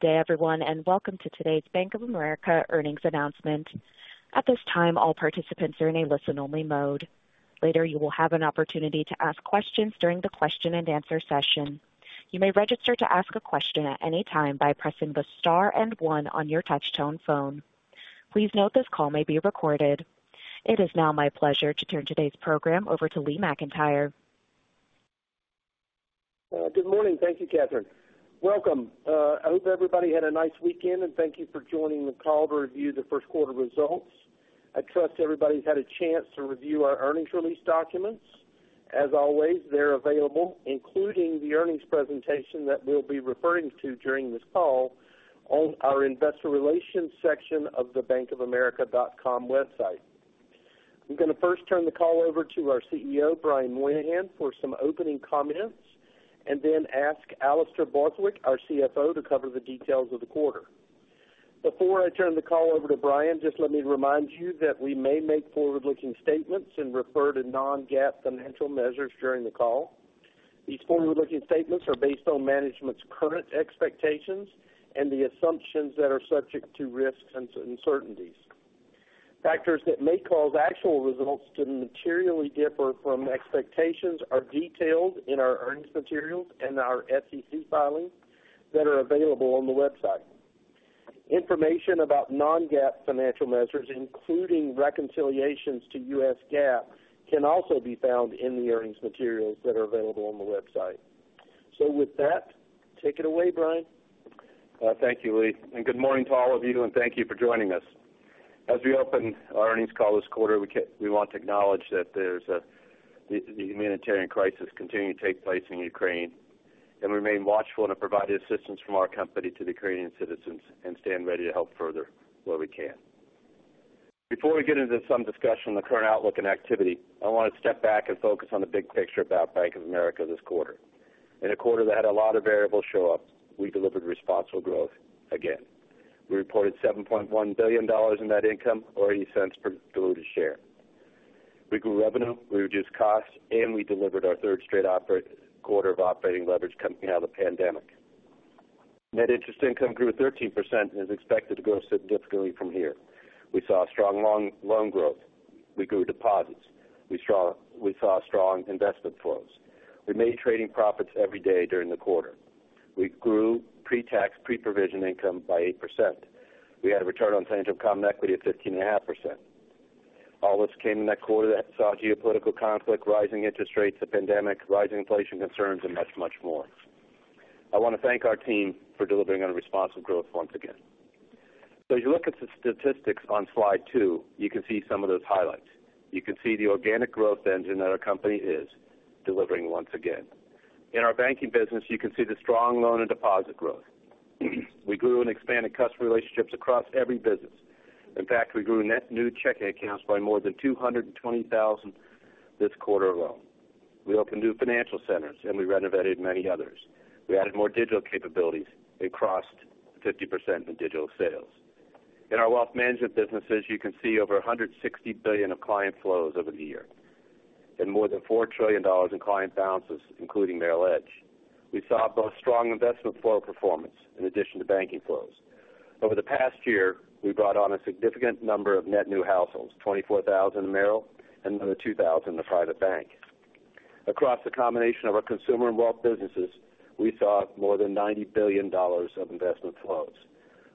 Good day, everyone, and welcome to today's Bank of America earnings announcement. At this time, all participants are in a listen-only mode. Later, you will have an opportunity to ask questions during the question-and-answer session. You may register to ask a question at any time by pressing the star and 1 on your touch-tone phone. Please note this call may be recorded. It is now my pleasure to turn today's program over to Lee McEntire. Good morning. Thank you, Catherine. Welcome. I hope everybody had a nice weekend, and thank you for joining the call to review the Q1 results. I trust everybody's had a chance to review our earnings release documents. As always, they're available, including the earnings presentation that we'll be referring to during this call on our investor relations section of the bankofamerica.com website. I'm going to first turn the call over to our CEO, Brian Moynihan, for some opening comments, and then ask Alastair Borthwick, our CFO, to cover the details of the quarter. Before I turn the call over to Brian, just let me remind you that we may make forward-looking statements and refer to non-GAAP financial measures during the call. These forward-looking statements are based on management's current expectations and the assumptions that are subject to risks and uncertainties. Factors that may cause actual results to materially differ from expectations are detailed in our earnings materials and our SEC filings that are available on the website. Information about non-GAAP financial measures, including reconciliations to US GAAP, can also be found in the earnings materials that are available on the website. With that, take it away, Brian. Thank you, Lee, and good morning to all of you, and thank you for joining us. As we open our earnings call this quarter, we want to acknowledge that there's the humanitarian crisis continuing to take place in Ukraine, and remain watchful to provide the assistance from our company to the Ukrainian citizens and stand ready to help further where we can. Before we get into some discussion on the current outlook and activity, I want to step back and focus on the big picture about Bank of America this quarter. In a quarter that had a lot of variables show up, we delivered responsible growth again. We reported $7.1 billion in net income or $0.80 per diluted share. We grew revenue, we reduced costs, and we delivered our third straight quarter of operating leverage coming out of the pandemic. Net interest income grew 13% and is expected to grow significantly from here. We saw strong loan growth. We grew deposits. We saw strong investment flows. We made trading profits every day during the quarter. We grew pre-tax, pre-provision income by 8%. We had a return on tangible common equity of 15.5%. All this came in that quarter that saw geopolitical conflict, rising interest rates, the pandemic, rising inflation concerns, and much, much more. I want to thank our team for delivering on a responsible growth once again. As you look at the statistics on slide 2, you can see some of those highlights. You can see the organic growth engine that our company is delivering once again. In our banking business, you can see the strong loan and deposit growth. We grew and expanded customer relationships across every business. In fact, we grew net new checking accounts by more than 220,000 this quarter alone. We opened new financial centers, and we renovated many others. We added more digital capabilities. We crossed 50% in digital sales. In our wealth management businesses, you can see over $160 billion of client flows over the year and more than $4 trillion in client balances, including Merrill Edge. We saw both strong investment flow performance in addition to banking flows. Over the past year, we brought on a significant number of net new households, 24,000 in Merrill and another 2,000 in the private bank. Across the combination of our consumer and wealth businesses, we saw more than $90 billion of investment flows.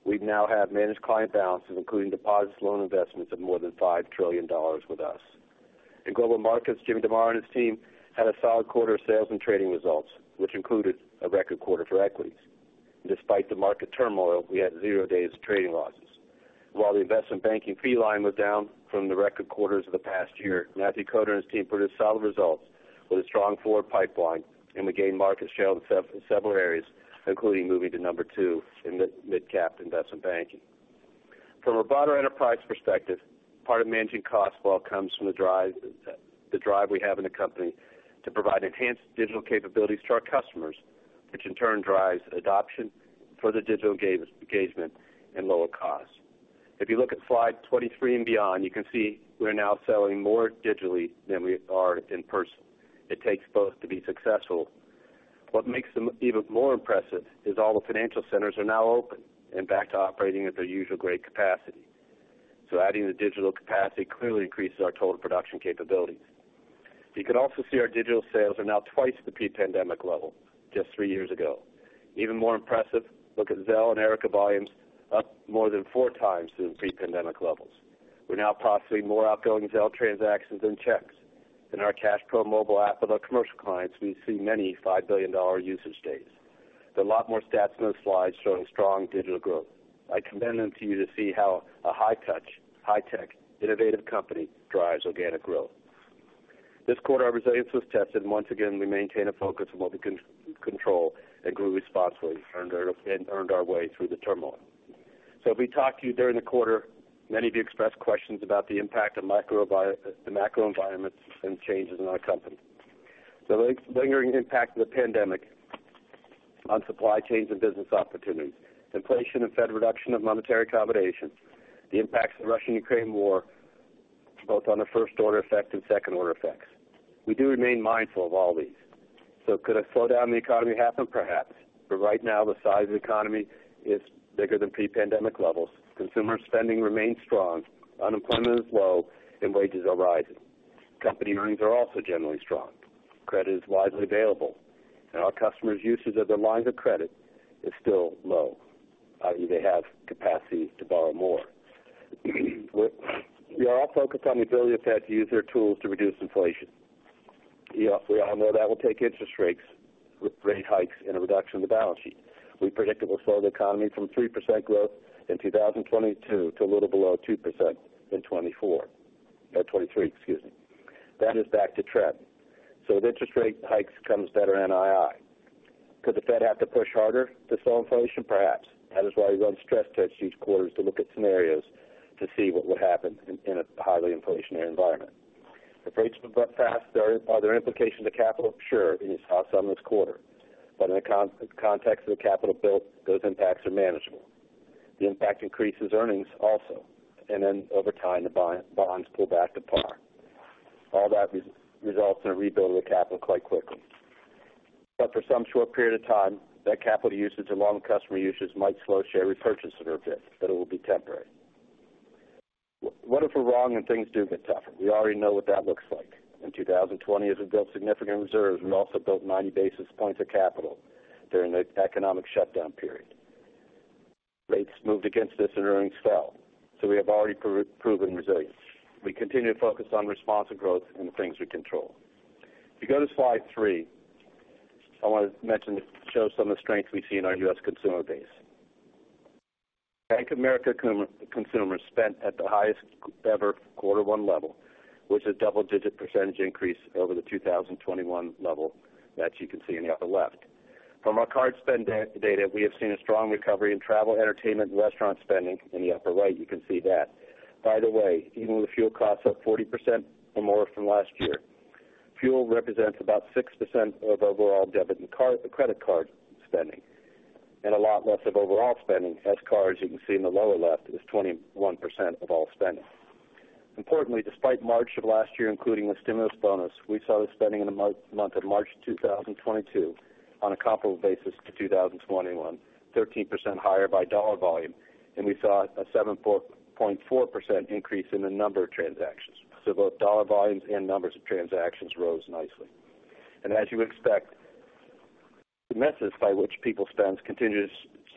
We now have managed client balances, including deposits, loan investments of more than $5 trillion with us. In global markets, Jim DeMare and his team had a solid quarter of sales and trading results, which included a record quarter for equities. Despite the market turmoil, we had zero days of trading losses. While the investment banking fee line was down from the record quarters of the past year, Matthew Koder and his team produced solid results with a strong forward pipeline, and we gained market share in several areas, including moving to number 2 in mid-cap investment banking. From a broader enterprise perspective, part of managing costs well comes from the drive we have in the company to provide enhanced digital capabilities to our customers, which in turn drives adoption, further digital engagement, and lower costs. If you look at slide 23 and beyond, you can see we're now selling more digitally than we are in person. It takes both to be successful. What makes them even more impressive is all the financial centers are now open and back to operating at their usual great capacity. Adding the digital capacity clearly increases our total production capabilities. You can also see our digital sales are now twice the pre-pandemic level just 3 years ago. Even more impressive, look at Zelle and Erica volumes, up more than 4x through pre-pandemic levels. We're now processing more outgoing Zelle transactions than checks. In our CashPro mobile app for the commercial clients, we see many $5 billion usage days. There are a lot more stats in those slides showing strong digital growth. I commend them to you to see how a high-touch, high-tech, innovative company drives organic growth. This quarter, our resilience was tested. Once again, we maintained a focus on what we control and grew responsibly and earned our way through the turmoil. As we talked to you during the quarter, many of you expressed questions about the impact of the macro environment and changes in our company. The lingering impact of the pandemic on supply chains and business opportunities, inflation and Fed reduction of monetary accommodation, the impacts of the Russian-Ukraine war both on the first order effect and second order effects. We do remain mindful of all these. Could a slowdown in the economy happen? Perhaps. But right now, the size of the economy is bigger than pre-pandemic levels. Consumer spending remains strong, unemployment is low, and wages are rising. Company earnings are also generally strong. Credit is widely available, and our customers' usage of their lines of credit is still low. They have capacity to borrow more. We are all focused on the ability of the Fed to use their tools to reduce inflation. We all know that will take interest rates with rate hikes and a reduction in the balance sheet. We predict it will slow the economy from 3% growth in 2022 to a little below 2% in 2023. That is back to trend. With interest rate hikes comes better NII. Could the Fed have to push harder to slow inflation? Perhaps. That is why we run stress tests each quarter to look at scenarios to see what would happen in a highly inflationary environment. If rates move up fast, are there implications to capital? Sure. We saw some this quarter. In the context of the capital build, those impacts are manageable. The impact increases earnings also, and then over time, the bonds pull back to par. All that results in a rebuild of the capital quite quickly. For some short period of time, that capital usage and loan customer usage might slow share repurchases a bit, but it will be temporary. What if we're wrong and things do get tougher? We already know what that looks like. In 2020, as we built significant reserves, we also built 90 basis points of capital during the economic shutdown period. Rates moved against us and earnings fell, so we have already proven resilience. We continue to focus on responsive growth and the things we control. If you go to slide 3, I want to mention, show some of the strength we see in our U.S. consumer base. Bank of America consumers spent at the highest ever Q1 level, which is double-digit % increase over the 2021 level that you can see in the upper left. From our card spend data, we have seen a strong recovery in travel, entertainment, and restaurant spending. In the upper right, you can see that. By the way, even with fuel costs up 40% or more from last year, fuel represents about 6% of overall debit and credit card spending, and a lot less of overall spending as cars, you can see in the lower left, is 21% of all spending. Importantly, despite March of last year including the stimulus bonus, we saw the spending in the month of March 2022 on a comparable basis to 2021, 13% higher by dollar volume, and we saw a 7.4% increase in the number of transactions. Both dollar volumes and numbers of transactions rose nicely. As you would expect, the methods by which people spend continues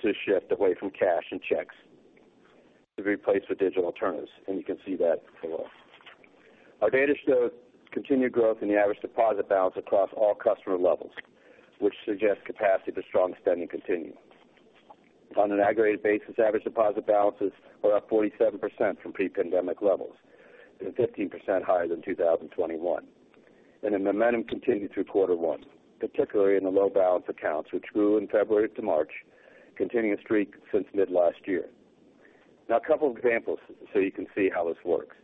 to shift away from cash and checks to be replaced with digital alternatives, and you can see that below. Our data shows continued growth in the average deposit balance across all customer levels, which suggests capacity for strong spending continue. On an aggregated basis, average deposit balances are up 47% from pre-pandemic levels and 15% higher than 2021. The momentum continued through Q1, particularly in the low balance accounts, which grew in February to March, continuing a streak since mid last year. Now, a couple examples so you can see how this works.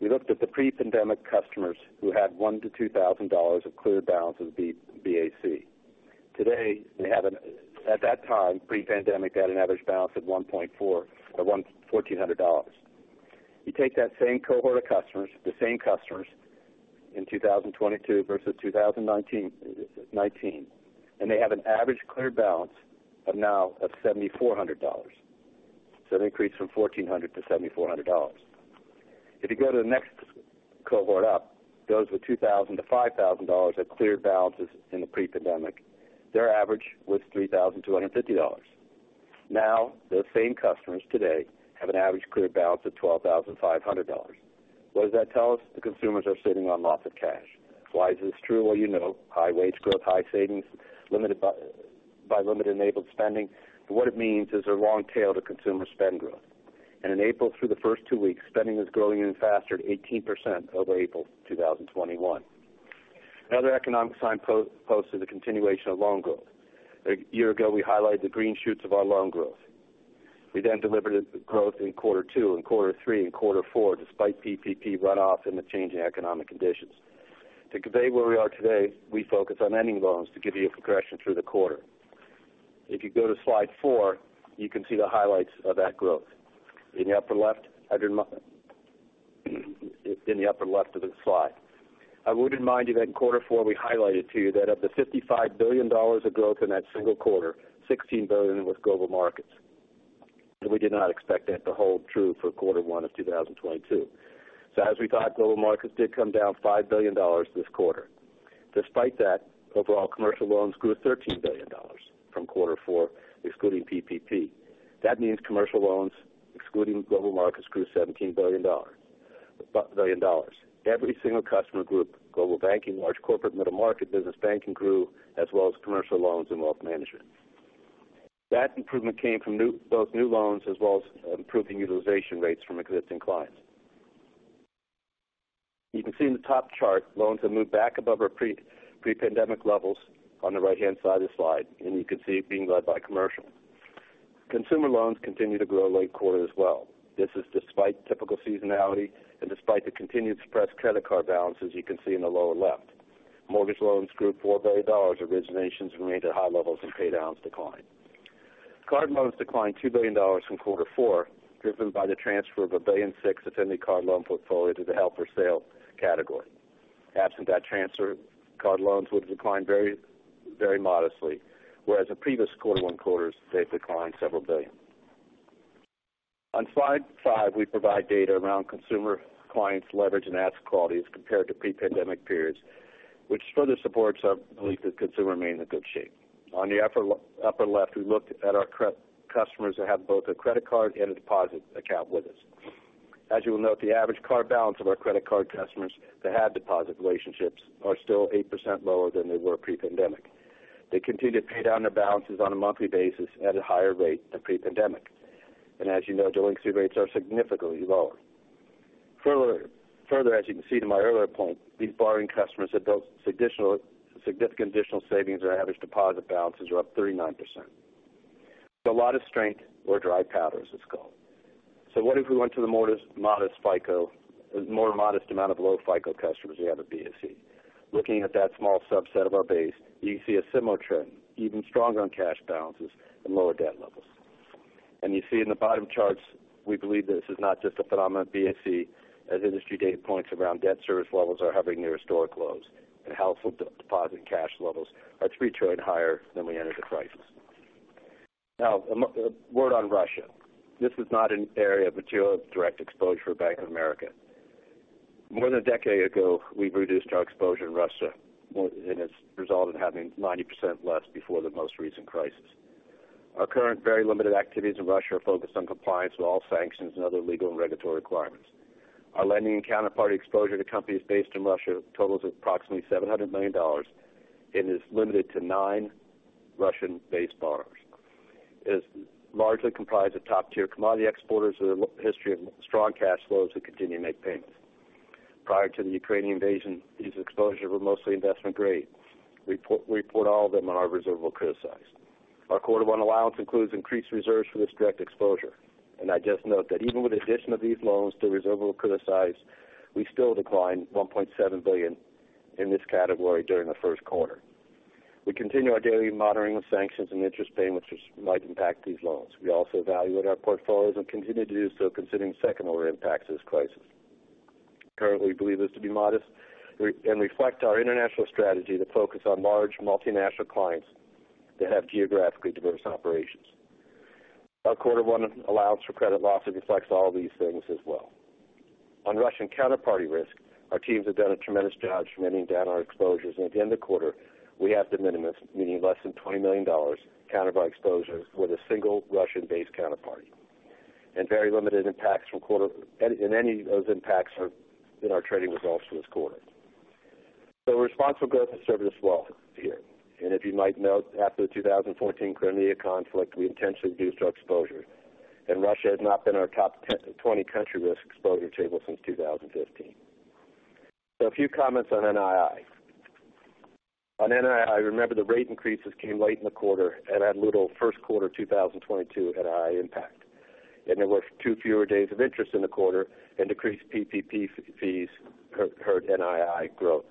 We looked at the pre-pandemic customers who had $1,000-$2,000 of cleared balances at BAC. At that time, pre-pandemic, they had an average balance of $1,400. You take that same cohort of customers, the same customers in 2022 versus 2019, and they have an average cleared balance now of $7,400. So it increased from $1,400 to $7,400. If you go to the next cohort up, those with $2,000-$5,000 had cleared balances in the pre-pandemic. Their average was $3,250. Now, those same customers today have an average cleared balance of $12,500. What does that tell us? The consumers are sitting on lots of cash. Why is this true? Well, you know, high wage growth, high savings, limited by limited enabled spending. What it means is a long tail to consumer spend growth. In April, through the first 2 weeks, spending is growing even faster at 18% over April 2021. Another economic sign posted is the continuation of loan growth. A year ago, we highlighted the green shoots of our loan growth. We then delivered growth in Q2 and Q3 and Q4 despite PPP runoff and the changing economic conditions. To convey where we are today, we focus on ending loans to give you a progression through the quarter. If you go to slide 4, you can see the highlights of that growth in the upper left of the slide. I would remind you that in Q4, we highlighted to you that of the $55 billion of growth in that single quarter, $16 billion was global markets. We did not expect that to hold true for Q1 of 2022. As we thought, global markets did come down $5 billion this quarter. Despite that, overall commercial loans grew $13 billion from Q4, excluding PPP. That means commercial loans, excluding global markets, grew $17 billion. Every single customer group, Global Banking, Large Corporate, Middle Market Business Banking grew as well as commercial loans and Wealth Management. That improvement came from both new loans as well as improving utilization rates from existing clients. You can see in the top chart, loans have moved back above our pre-pandemic levels on the right-hand side of the slide, and you can see it being led by commercial. Consumer loans continue to grow late in the quarter as well. This is despite typical seasonality and despite the continued suppressed credit card balances you can see in the lower left. Mortgage loans grew $4 billion. Originations remained at high levels and paydowns declined. Credit card loans declined $2 billion from Q4, driven by the transfer of $1.6 billion of credit card loan portfolio to the held-for-sale category. Absent that transfer, card loans would decline very, very modestly, whereas in previous quarter-over-quarter, they've declined $ several billion. On slide 5, we provide data around consumer clients leverage and asset quality as compared to pre-pandemic periods, which further supports our belief that consumers remain in good shape. On the upper left, we looked at our customers that have both a credit card and a deposit account with us. As you will note, the average card balance of our credit card customers that have deposit relationships are still 8% lower than they were pre-pandemic. They continue to pay down their balances on a monthly basis at a higher rate than pre-pandemic. As you know, delinquency rates are significantly lower. Further, as you can see in my earlier point, these borrowing customers have built significant additional savings, and our average deposit balances are up 39%. A lot of strength or dry powder, as it's called. What if we went to the modest FICO? More modest amount of low FICO customers we have at BAC. Looking at that small subset of our base, you can see a similar trend, even stronger on cash balances and lower debt levels. You see in the bottom charts, we believe that this is not just a phenomenon at BAC, as industry data points around debt service levels are hovering near historic lows, and household deposit cash levels are $3 trillion higher than we entered the crisis. Now, a word on Russia. This is not an area of material direct exposure for Bank of America. More than a decade ago, we've reduced our exposure in Russia, more than it's resulted in having 90% less before the most recent crisis. Our current very limited activities in Russia are focused on compliance with all sanctions and other legal and regulatory requirements. Our lending and counterparty exposure to companies based in Russia totals approximately $700 million and is limited to 9 Russian-based borrowers. It's largely comprised of top-tier commodity exporters with a long history of strong cash flows who continue to make payments. Prior to the Ukrainian invasion, these exposures were mostly investment-grade. We put all of them on our reservable criticized. Our Q1 allowance includes increased reserves for this direct exposure. I just note that even with the addition of these loans to reservable criticized, we still declined $1.7 billion in this category during the first quarter. We continue our daily monitoring of sanctions and interest payments which might impact these loans. We also evaluate our portfolios and continue to do so, considering second-order impacts of this crisis. Currently, we believe this to be modest and reflect our international strategy to focus on large multinational clients that have geographically diverse operations. Our Q1 allowance for credit losses reflects all these things as well. On Russian counterparty risk, our teams have done a tremendous job trimming down our exposures. At the end of the quarter, we have de minimis, meaning less than $20 million counterparty exposure with a single Russian-based counterparty, and very limited impacts from quarter. Any of those impacts are in our trading results for this quarter. Responsible growth has served us well here. If you might note, after the 2014 Crimea conflict, we intentionally reduced our exposure. Russia has not been our top 10-20 country risk exposure table since 2015. A few comments on NII. On NII, remember the rate increases came late in the quarter and had little Q1 2022 NII impact. There were 2 fewer days of interest in the quarter and decreased PPP fees hurt NII growth.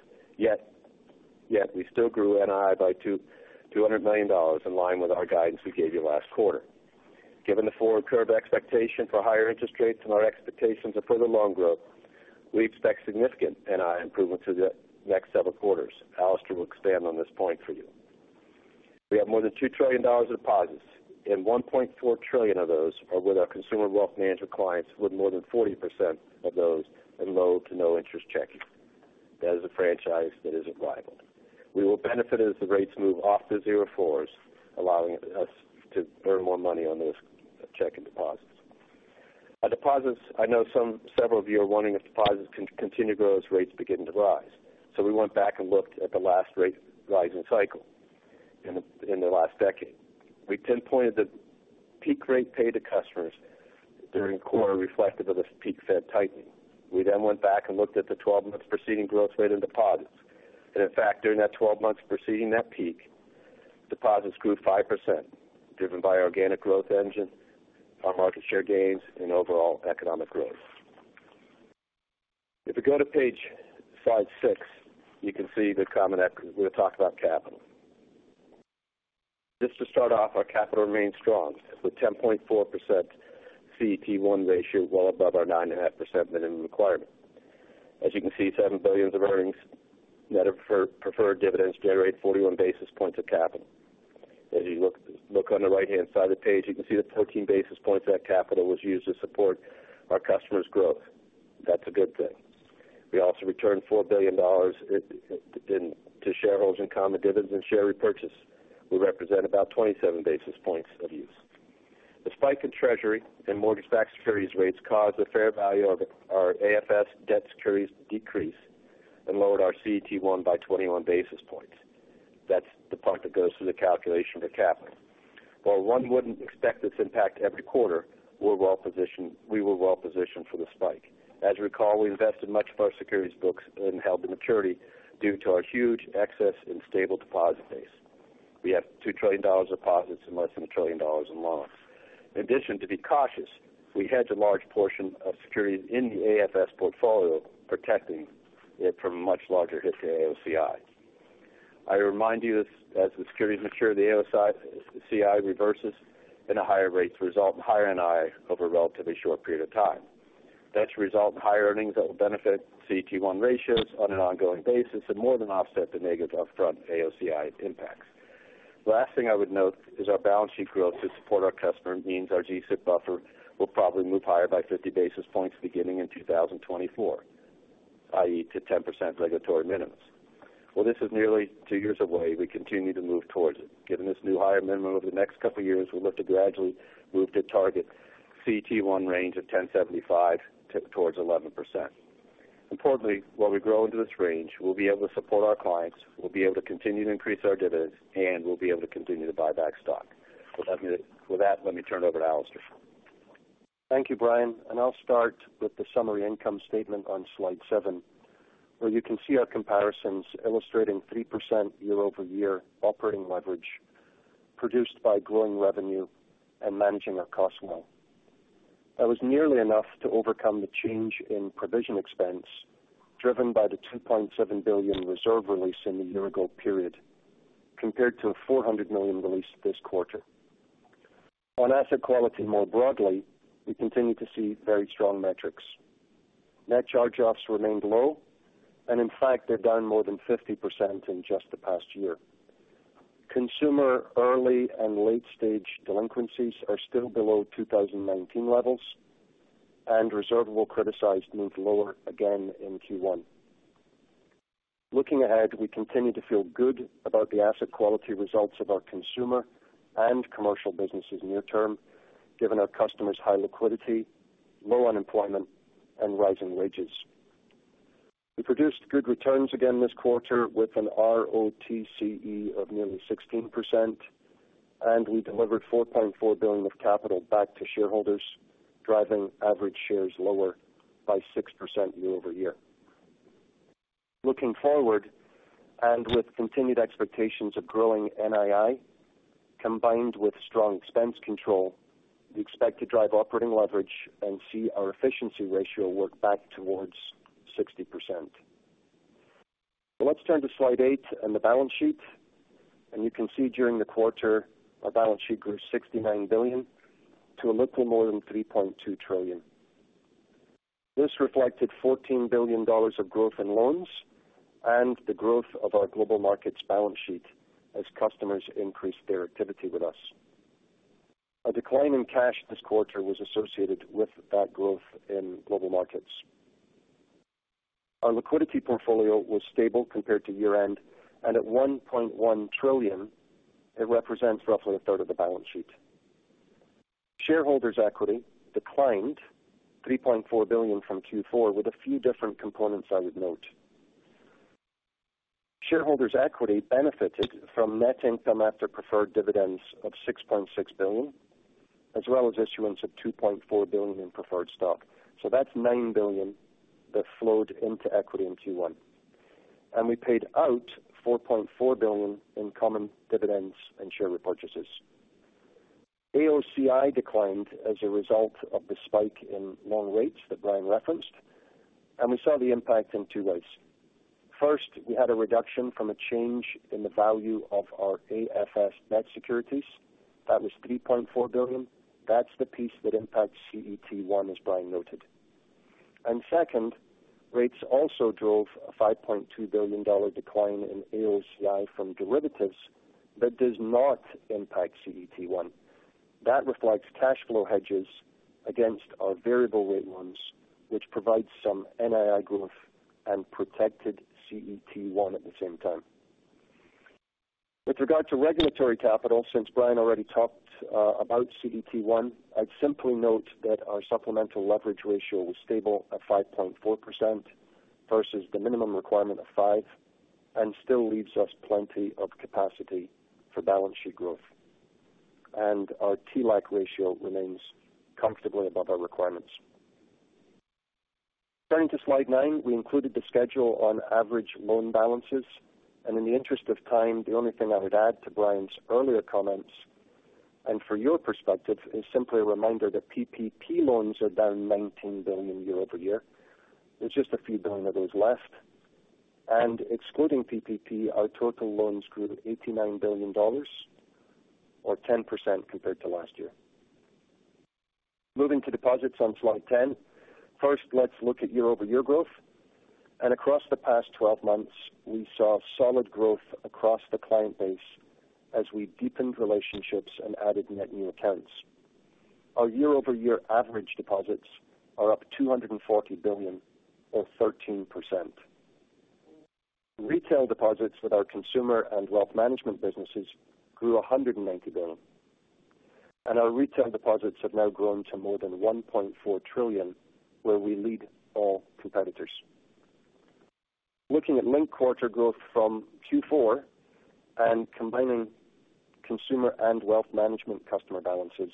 Yet we still grew NII by $200 million, in line with our guidance we gave you last quarter. Given the forward curve expectation for higher interest rates and our expectations of further loan growth, we expect significant NII improvement through the next several quarters. Alastair will expand on this point for you. We have more than $2 trillion of deposits, and $1.4 trillion of those are with our consumer wealth management clients, with more than 40% of those in low- to no-interest checking. That is a franchise that isn't rivaled. We will benefit as the rates move off the zero floors, allowing us to earn more money on those checking deposits. On deposits, I know several of you are wondering if deposits can continue to grow as rates begin to rise. We went back and looked at the last rate rising cycle in the last decade. We pinpointed the peak rate paid to customers during the quarter reflective of this peak Fed tightening. We then went back and looked at the twelve months preceding growth rate in deposits. In fact, during that 12 months preceding that peak, deposits grew 5%, driven by organic growth engine, our market share gains, and overall economic growth. If you go to page slide 6, you can see the common thread. We're going to talk about capital. Just to start off, our capital remains strong, with 10.4% CET1 ratio well above our 9.5% minimum requirement. As you can see, $7 billion of earnings, net of preferred dividends generate 41 basis points of capital. As you look on the right-hand side of the page, you can see that 14 basis points of that capital was used to support our customers' growth. That's a good thing. We also returned $4 billion to shareholders in common dividends and share repurchase. We represent about 27 basis points of use. The spike in Treasury and mortgage-backed securities rates caused the fair value of our AFS debt securities to decrease and lowered our CET1 by 21 basis points. That's the part that goes through the calculation for capital. While 1 wouldn't expect this impact every quarter, we were well positioned for the spike. As you recall, we invested much of our securities books and held-to-maturity due to our huge excess in stable deposit base. We have $2 trillion of deposits and less than $1 trillion in loans. In addition, to be cautious, we hedged a large portion of securities in the AFS portfolio, protecting it from a much larger hit to AOCI. I remind you, as the securities mature, the AOCI reverses and the higher rates result in higher NI over a relatively short period of time. That should result in higher earnings that will benefit CET1 ratios on an ongoing basis and more than offset the negative upfront AOCI impacts. The last thing I would note is our balance sheet growth to support our customers means our G-SIB buffer will probably move higher by 50 basis points beginning in 2024, i.e., to 10% regulatory minimums. While this is nearly 2 years away, we continue to move towards it. Given this new higher minimum over the next couple of years, we look to gradually move to target CET1 range of 10.75% towards 11%. Importantly, while we grow into this range, we'll be able to support our clients, we'll be able to continue to increase our dividends, and we'll be able to continue to buy back stock. With that, let me turn it over to Alastair. Thank you, Brian. I'll start with the summary income statement on slide 7, where you can see our comparisons illustrating 3% year-over-year operating leverage produced by growing revenue and managing our costs well. That was nearly enough to overcome the change in provision expense, driven by the $2.7 billion reserve release in the year-ago period compared to a $400 million release this quarter. On asset quality more broadly, we continue to see very strong metrics. Net charge-offs remained low, and in fact, they're down more than 50% in just the past year. Consumer early and late-stage delinquencies are still below 2019 levels, and reserves criticized moved lower again in Q1. Looking ahead, we continue to feel good about the asset quality results of our consumer and commercial businesses near term, given our customers' high liquidity, low unemployment, and rising wages. We produced good returns again this quarter with an ROTCE of nearly 16%, and we delivered $4.4 billion of capital back to shareholders, driving average shares lower by 6% year-over-year. Looking forward, and with continued expectations of growing NII, combined with strong expense control, we expect to drive operating leverage and see our efficiency ratio work back towards 60%. Let's turn to slide 8 and the balance sheet. You can see during the quarter, our balance sheet grew $69 billion to a little more than $3.2 trillion. This reflected $14 billion of growth in loans and the growth of our global markets balance sheet as customers increased their activity with us. A decline in cash this quarter was associated with that growth in global markets. Our liquidity portfolio was stable compared to year-end, and at $1.1 trillion, it represents roughly a third of the balance sheet. Shareholders' equity declined $3.4 billion from Q4 with a few different components I would note. Shareholders' equity benefited from net income after preferred dividends of $6.6 billion, as well as issuance of $2.4 billion in preferred stock. That's $9 billion that flowed into equity in Q1. We paid out $4.4 billion in common dividends and share repurchases. AOCI declined as a result of the spike in loan rates that Brian referenced, and we saw the impact in 2 ways. First, we had a reduction from a change in the value of our AFS net securities. That was $3.4 billion. That's the piece that impacts CET1, as Brian noted. Second, rates also drove a $5.2 billion decline in AOCI from derivatives that does not impact CET1. That reflects cash flow hedges against our variable rate ones, which provides some NII growth and protected CET1 at the same time. With regard to regulatory capital, since Brian already talked about CET1, I'd simply note that our supplemental leverage ratio was stable at 5.4% versus the minimum requirement of 5%, and still leaves us plenty of capacity for balance sheet growth. Our TLAC ratio remains comfortably above our requirements. Turning to slide 9, we included the schedule on average loan balances. In the interest of time, the only thing I would add to Brian's earlier comments, and for your perspective, is simply a reminder that PPP loans are down $19 billion year over year. There's just a few billion of those left. Excluding PPP, our total loans grew $89 billion or 10% compared to last year. Moving to deposits on slide ten. First, let's look at year-over-year growth. Across the past twelve months, we saw solid growth across the client base as we deepened relationships and added net new accounts. Our year-over-year average deposits are up $240 billion or 13%. Retail deposits with our consumer and wealth management businesses grew $190 billion. Our retail deposits have now grown to more than $1.4 trillion, where we lead all competitors. Looking at linked-quarter growth from Q4 and combining consumer and wealth management customer balances,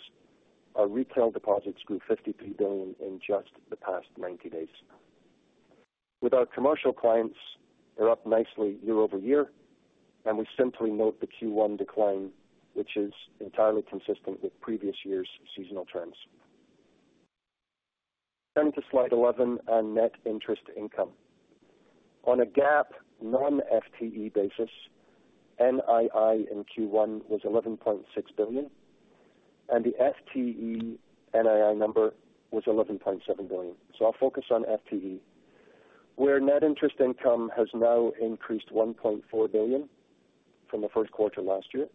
our retail deposits grew $53 billion in just the past 90 days. With our commercial clients, they're up nicely year over year, and we simply note the Q1 decline, which is entirely consistent with previous years' seasonal trends. To slide 11 on net interest income. On a GAAP non-FTE basis, NII in Q1 was $11.6 billion, and the FTE NII number was $11.7 billion. I'll focus on FTE, where net interest income has now increased $1.4 billion from the Q1 last year.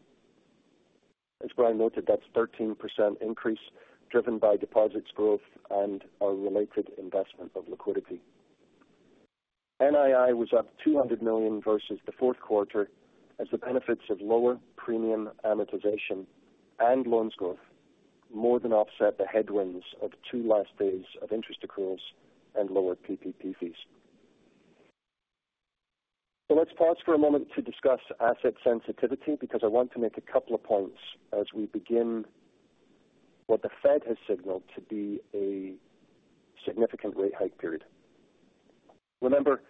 As Brian noted, that's 13% increase driven by deposits growth and our related investment of liquidity. NII was up $200 million versus the Q4 as the benefits of lower premium amortization and loans growth more than offset the headwinds of 2 last days of interest accruals and lower PPP fees. Let's pause for a moment to discuss asset sensitivity, because I want to make a couple of points as we begin what the Fed has signalled to be a significant rate hike period. Remember,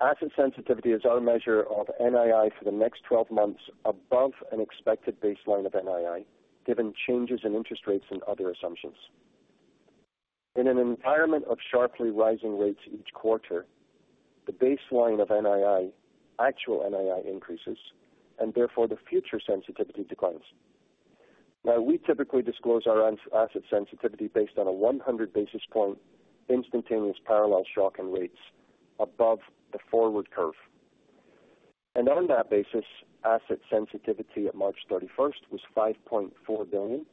asset sensitivity is our measure of NII for the next 12 months above an expected baseline of NII, given changes in interest rates and other assumptions. In an environment of sharply rising rates each quarter, the baseline of NII, actual NII increases, and therefore the future sensitivity declines. Now, we typically disclose our asset sensitivity based on a 100 basis point instantaneous parallel shock in rates above the forward curve. On that basis, asset sensitivity at March 31 was $5.4 billion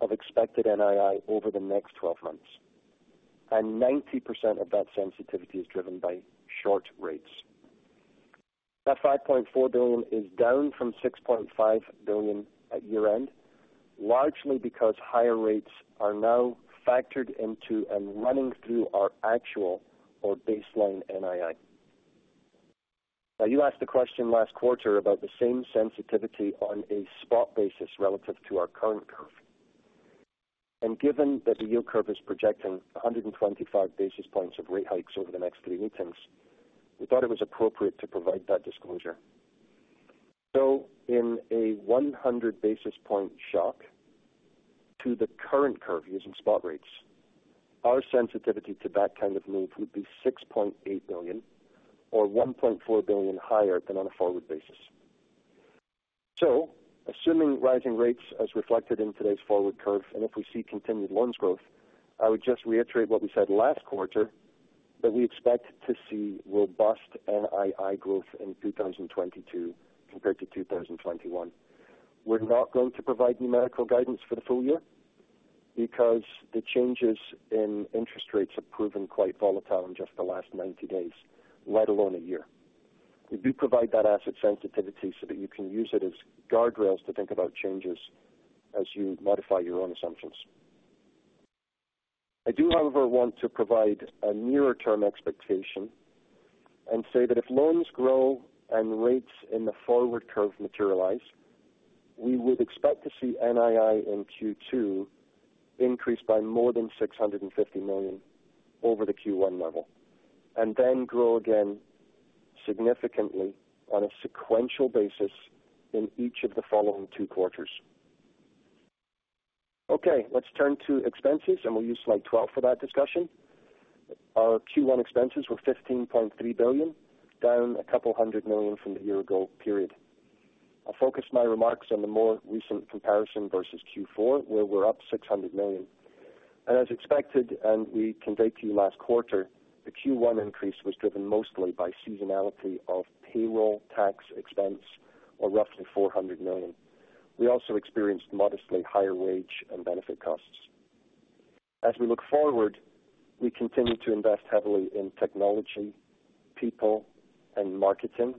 of expected NII over the next 12 months. 90% of that sensitivity is driven by short rates. That $5.4 billion is down from $6.5 billion at year-end, largely because higher rates are now factored into and running through our actual or baseline NII. Now, you asked the question last quarter about the same sensitivity on a spot basis relative to our current curve. Given that the yield curve is projecting 125 basis points of rate hikes over the next 3 meetings, we thought it was appropriate to provide that disclosure. In a 100 basis point shock to the current curve using spot rates, our sensitivity to that kind of move would be $6.8 billion or $1.4 billion higher than on a forward basis. Assuming rising rates as reflected in today's forward curve, and if we see continued loans growth, I would just reiterate what we said last quarter, that we expect to see robust NII growth in 2022 compared to 2021. We're not going to provide numerical guidance for the full year because the changes in interest rates have proven quite volatile in just the last 90 days, let alone a year. We do provide that asset sensitivity so that you can use it as guardrails to think about changes as you modify your own assumptions. I do, however, want to provide a nearer-term expectation and say that if loans grow and rates in the forward curve materialize, we would expect to see NII in Q2 increase by more than $650 million over the Q1 level, and then grow again significantly on a sequential basis in each of the following 2 quarters. Okay, let's turn to expenses, and we'll use slide 12 for that discussion. Our Q1 expenses were $15.3 billion, down a couple $100 million from the year-ago period. I'll focus my remarks on the more recent comparison versus Q4, where we're up $600 million. As expected, and we conveyed to you last quarter, the Q1 increase was driven mostly by seasonality of payroll tax expense or roughly $400 million. We also experienced modestly higher wage and benefit costs. As we look forward, we continue to invest heavily in technology, people, and marketing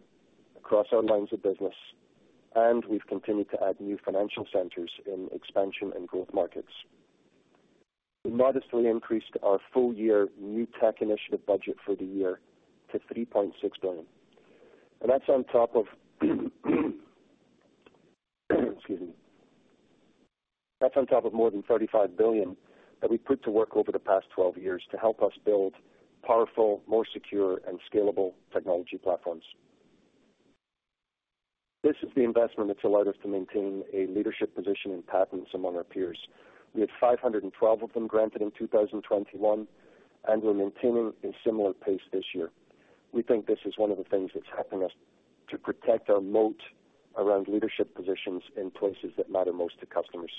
across our lines of business, and we've continued to add new financial centers in expansion and growth markets. We modestly increased our full-year new tech initiative budget for the year to $3.6 billion. That's on top of, excuse me. That's on top of more than $35 billion that we put to work over the past 12 years to help us build powerful, more secure, and scalable technology platforms. This is the investment that's allowed us to maintain a leadership position in patents among our peers. We had 512 of them granted in 2021, and we're maintaining a similar pace this year. We think this is 1 of the things that's helping us to protect our moat around leadership positions in places that matter most to customers.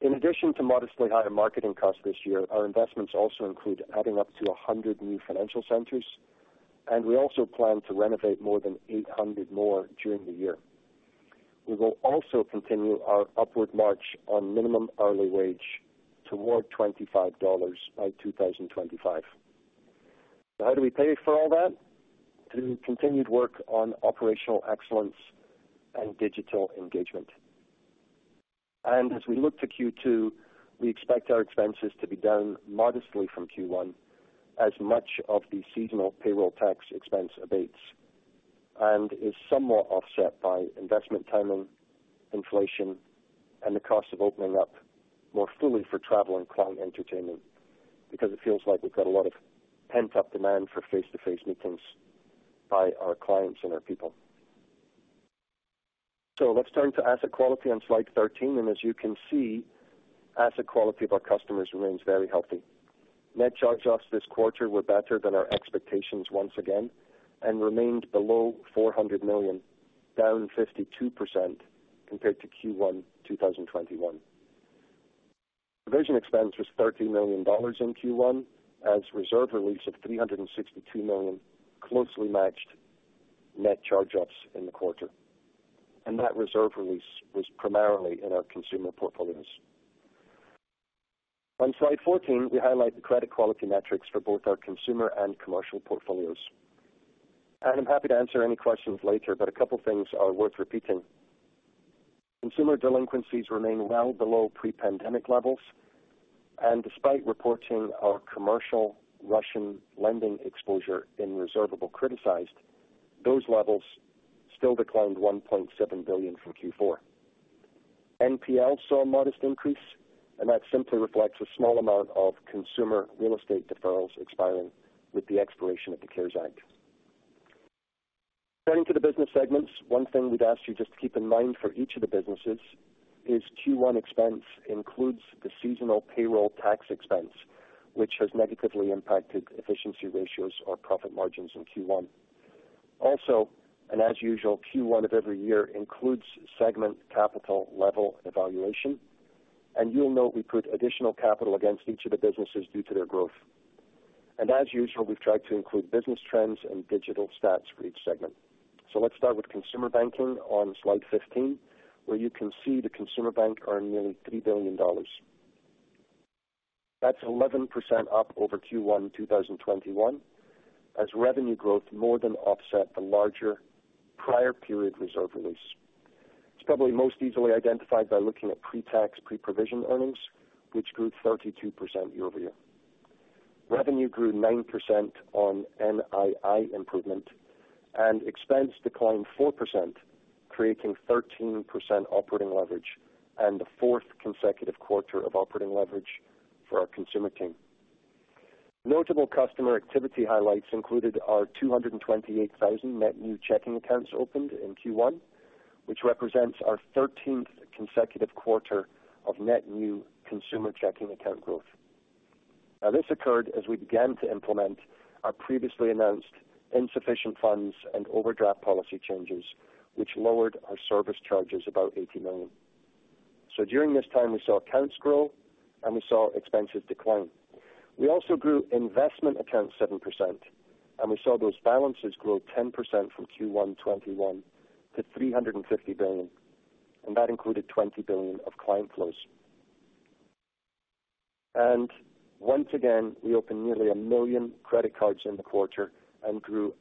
In addition to modestly higher marketing costs this year, our investments also include adding up to 100 new financial centers, and we also plan to renovate more than 800 more during the year. We will also continue our upward march on minimum hourly wage toward $25 by 2025. How do we pay for all that? Through continued work on operational excellence and digital engagement. As we look to Q2, we expect our expenses to be down modestly from Q1 as much of the seasonal payroll tax expense abates and is somewhat offset by investment timing, inflation, and the cost of opening up more fully for travel and client entertainment because it feels like we've got a lot of pent-up demand for face-to-face meetings by our clients and our people. Let's turn to asset quality on slide 13, and as you can see, asset quality of our customers remains very healthy. Net charge-offs this quarter were better than our expectations once again and remained below $400 million, down 52% compared to Q1 2021. Provision expense was $13 million in Q1 as reserve release of $362 million closely matched net charge-offs in the quarter. That reserve release was primarily in our consumer portfolios. On slide 14, we highlight the credit quality metrics for both our consumer and commercial portfolios. I'm happy to answer any questions later, but a couple things are worth repeating. Consumer delinquencies remain well below pre-pandemic levels. Despite reporting our commercial Russian lending exposure in reservable criticized, those levels still declined $1.7 billion from Q4. NPL saw a modest increase, and that simply reflects a small amount of consumer real estate deferrals expiring with the expiration of the CARES Act. Turning to the business segments, 1 thing we'd ask you just to keep in mind for each of the businesses is Q1 expense includes the seasonal payroll tax expense, which has negatively impacted efficiency ratios or profit margins in Q1. As usual, Q1 of every year includes segment capital level evaluation, and you'll note we put additional capital against each of the businesses due to their growth. As usual, we've tried to include business trends and digital stats for each segment. Let's start with consumer banking on slide 15, where you can see the consumer bank earned nearly $3 billion. That's 11% up over Q1 2021 as revenue growth more than offset the larger prior period reserve release. It's probably most easily identified by looking at pre-tax, pre-provision earnings, which grew 32% year-over-year. Revenue grew 9% on NII improvement and expense declined 4%, creating 13% operating leverage and the 4th consecutive quarter of operating leverage for our consumer team. Notable customer activity highlights included our 228,000 net new checking accounts opened in Q1, which represents our 13th consecutive quarter of net new consumer checking account growth. Now this occurred as we began to implement our previously announced insufficient funds and overdraft policy changes, which lowered our service charges about $80 million. During this time, we saw accounts grow, and we saw expenses decline. We also grew investment accounts 7%, and we saw those balances grow 10% from Q1 2021 to $350 billion, and that included $20 billion of client flows. Once again, we opened nearly 1 million credit cards in the quarter and grew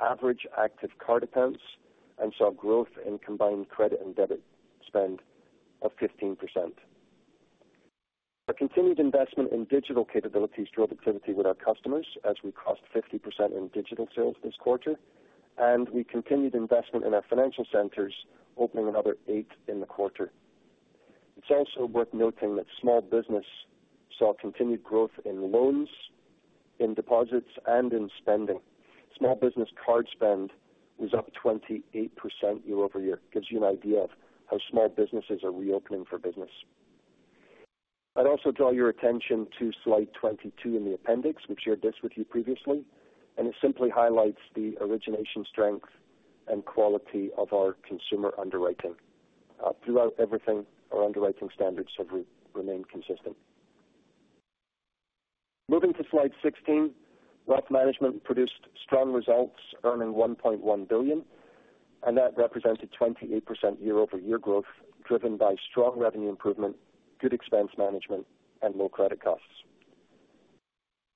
average active card accounts and saw growth in combined credit and debit spend of 15%. Our continued investment in digital capabilities drove activity with our customers as we crossed 50% in digital sales this quarter, and we continued investment in our financial centers, opening another 8 in the quarter. It's also worth noting that small business saw continued growth in loans, in deposits, and in spending. Small business card spend was up 28% year-over-year. Gives you an idea of how small businesses are reopening for business. I'd also draw your attention to slide 22 in the appendix. We've shared this with you previously, and it simply highlights the origination strength and quality of our consumer underwriting. Throughout everything, our underwriting standards have remained consistent. Moving to slide 16. Wealth Management produced strong results, earning $1.1 billion, and that represented 28% year-over-year growth driven by strong revenue improvement, good expense management, and low credit costs.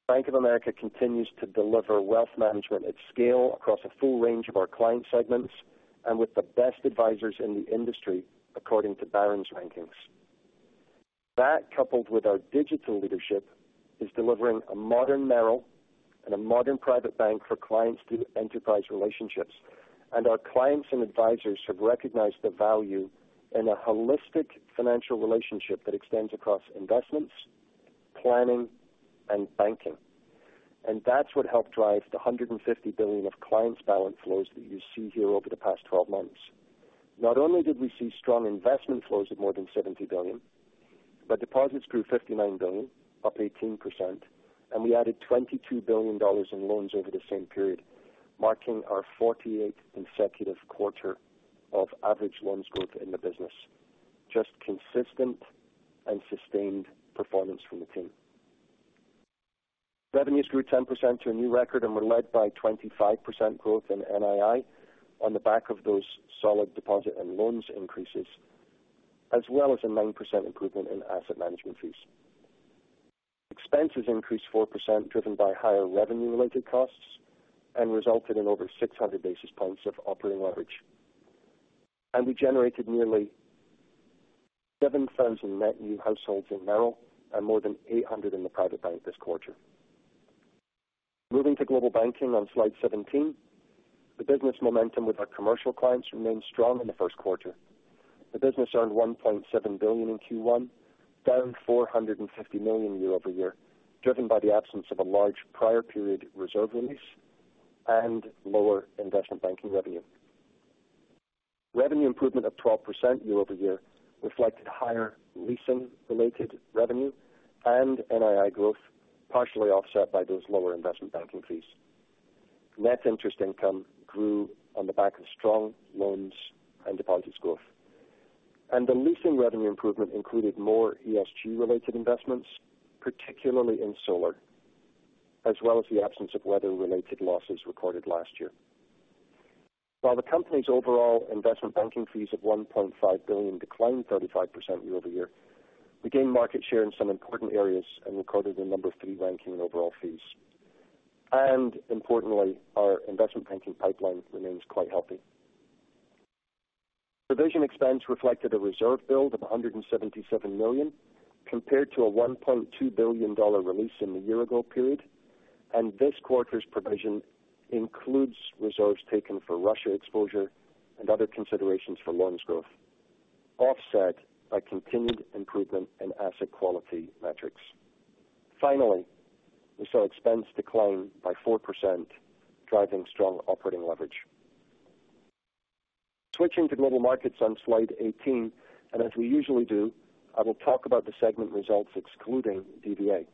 Bank of America continues to deliver wealth management at scale across a full range of our client segments and with the best advisors in the industry, according to Barron's rankings. That, coupled with our digital leadership, is delivering a modern Merrill and a modern private bank for clients through enterprise relationships. Our clients and advisors have recognized the value in a holistic financial relationship that extends across investments, planning, and banking. That's what helped drive the $150 billion of clients' balance flows that you see here over the past 12 months. Not only did we see strong investment flows of more than $70 billion, but deposits grew $59 billion, up 18%, and we added $22 billion in loans over the same period, marking our 48th consecutive quarter of average loans growth in the business. Just consistent and sustained performance from the team. Revenues grew 10% to a new record and were led by 25% growth in NII on the back of those solid deposit and loans increases, as well as a 9% improvement in asset management fees. Expenses increased 4% driven by higher revenue-related costs and resulted in over 600 basis points of operating leverage. We generated nearly 7,000 net new households in Merrill and more than 800 in the private bank this quarter. Moving to global banking on slide 17. The business momentum with our commercial clients remained strong in the Q1. The business earned $1.7 billion in Q1, down $450 million year-over-year, driven by the absence of a large prior period reserve release and lower investment banking revenue. Revenue improvement of 12% year-over-year reflected higher leasing-related revenue and NII growth, partially offset by those lower investment banking fees. Net interest income grew on the back of strong loans and deposits growth. The leasing revenue improvement included more ESG-related investments, particularly in solar, as well as the absence of weather-related losses recorded last year. While the company's overall investment banking fees of $1.5 billion declined 35% year-over-year, we gained market share in some important areas and recorded a number of fee ranking and overall fees. Importantly, our investment banking pipeline remains quite healthy. Provision expense reflected a reserve build of $177 million compared to a $1.2 billion release in the year-ago period. This quarter's provision includes reserves taken for Russia exposure and other considerations for loans growth, offset by continued improvement in asset quality metrics. Finally, we saw expense decline by 4%, driving strong operating leverage. Switching to Global Markets on slide 18, and as we usually do, I will talk about the segment results excluding DVA.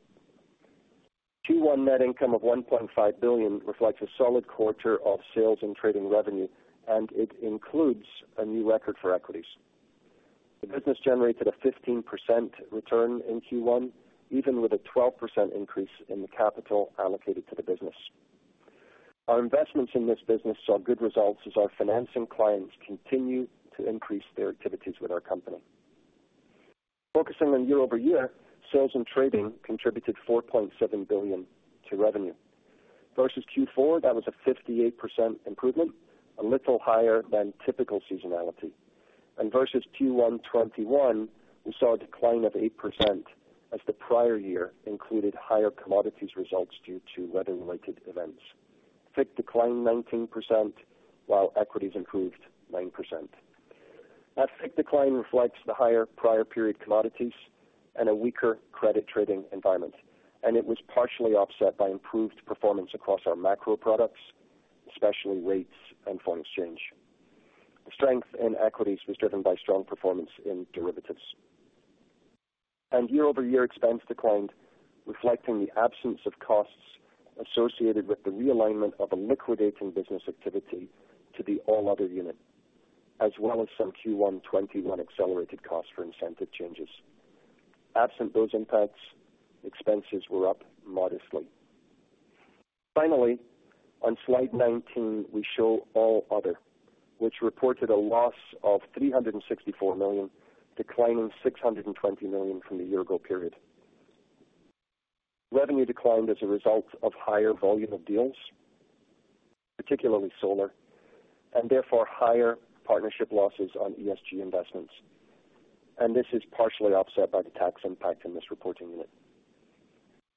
Q1 net income of $1.5 billion reflects a solid quarter of sales and trading revenue, and it includes a new record for equities. The business generated a 15% return in Q1, even with a 12% increase in the capital allocated to the business. Our investments in this business saw good results as our financing clients continue to increase their activities with our company. Focusing on year-over-year, sales and trading contributed $4.7 billion to revenue. Versus Q4, that was a 58% improvement, a little higher than typical seasonality. Versus Q1 2021, we saw a decline of 8% as the prior year included higher commodities results due to weather-related events. FICC declined 19%, while equities improved 9%. That FICC decline reflects the higher prior period commodities and a weaker credit trading environment, and it was partially offset by improved performance across our macro products, especially rates and foreign exchange. The strength in equities was driven by strong performance in derivatives. Year-over-year expense declined, reflecting the absence of costs associated with the realignment of a liquidating business activity to the all other unit, as well as some Q1 2021 accelerated cost for incentive changes. Absent those impacts, expenses were up modestly. Finally, on slide 19, we show All Other, which reported a loss of $364 million, declining $620 million from the year-ago period. Revenue declined as a result of higher volume of deals, particularly solar, and therefore higher partnership losses on ESG investments. This is partially offset by the tax impact in this reporting unit.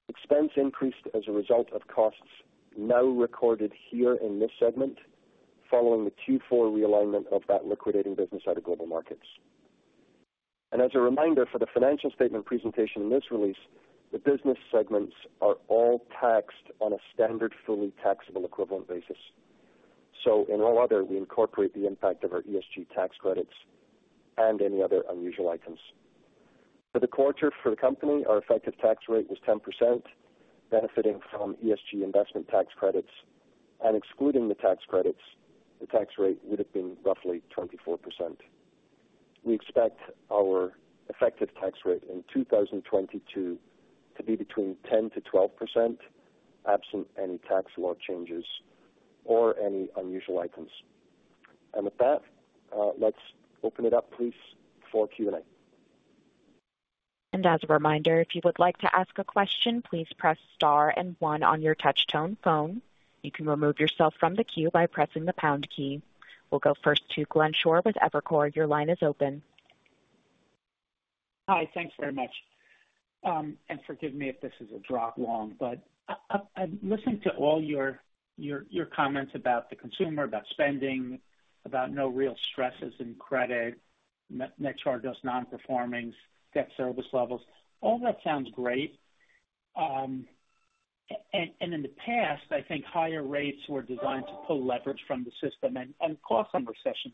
Expense increased as a result of costs now recorded here in this segment following the Q4 realignment of that liquidating business out of global markets. As a reminder for the financial statement presentation in this release, the business segments are all taxed on a standard, fully taxable equivalent basis. In All Other, we incorporate the impact of our ESG tax credits and any other unusual items. For the quarter for the company, our effective tax rate was 10%, benefiting from ESG investment tax credits. Excluding the tax credits, the tax rate would have been roughly 24%. We expect our effective tax rate in 2022 to be between 10%-12%, absent any tax law changes or any unusual items. With that, let's open it up please for Q&A. As a reminder, if you would like to ask a question, please press star and 1 on your touch-tone phone. You can remove yourself from the queue by pressing the pound key. We'll go first to Glenn Schorr with Evercore. Your line is open. Hi. Thanks very much. Forgive me if this is a tad long, but listening to all your comments about the consumer, about spending, about no real stresses in credit, net charge-offs, non-performing, debt service levels, all that sounds great. In the past, I think higher rates were designed to pull leverage from the system and cause some recessions.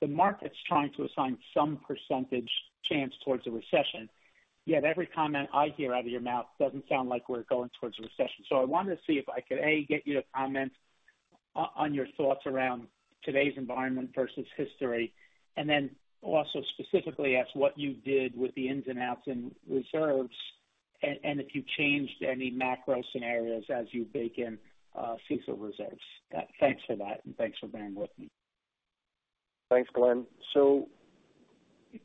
The market's trying to assign some percentage chance towards a recession. Yet every comment I hear out of your mouth doesn't sound like we're going towards a recession. I wanted to see if I could, A, get you to comment on your thoughts around today's environment versus history, and then also specifically ask what you did with the ins and outs in reserves, and if you changed any macro scenarios as you bake in CECL reserves. Thanks for that, and thanks for bearing with me. Thanks, Glenn.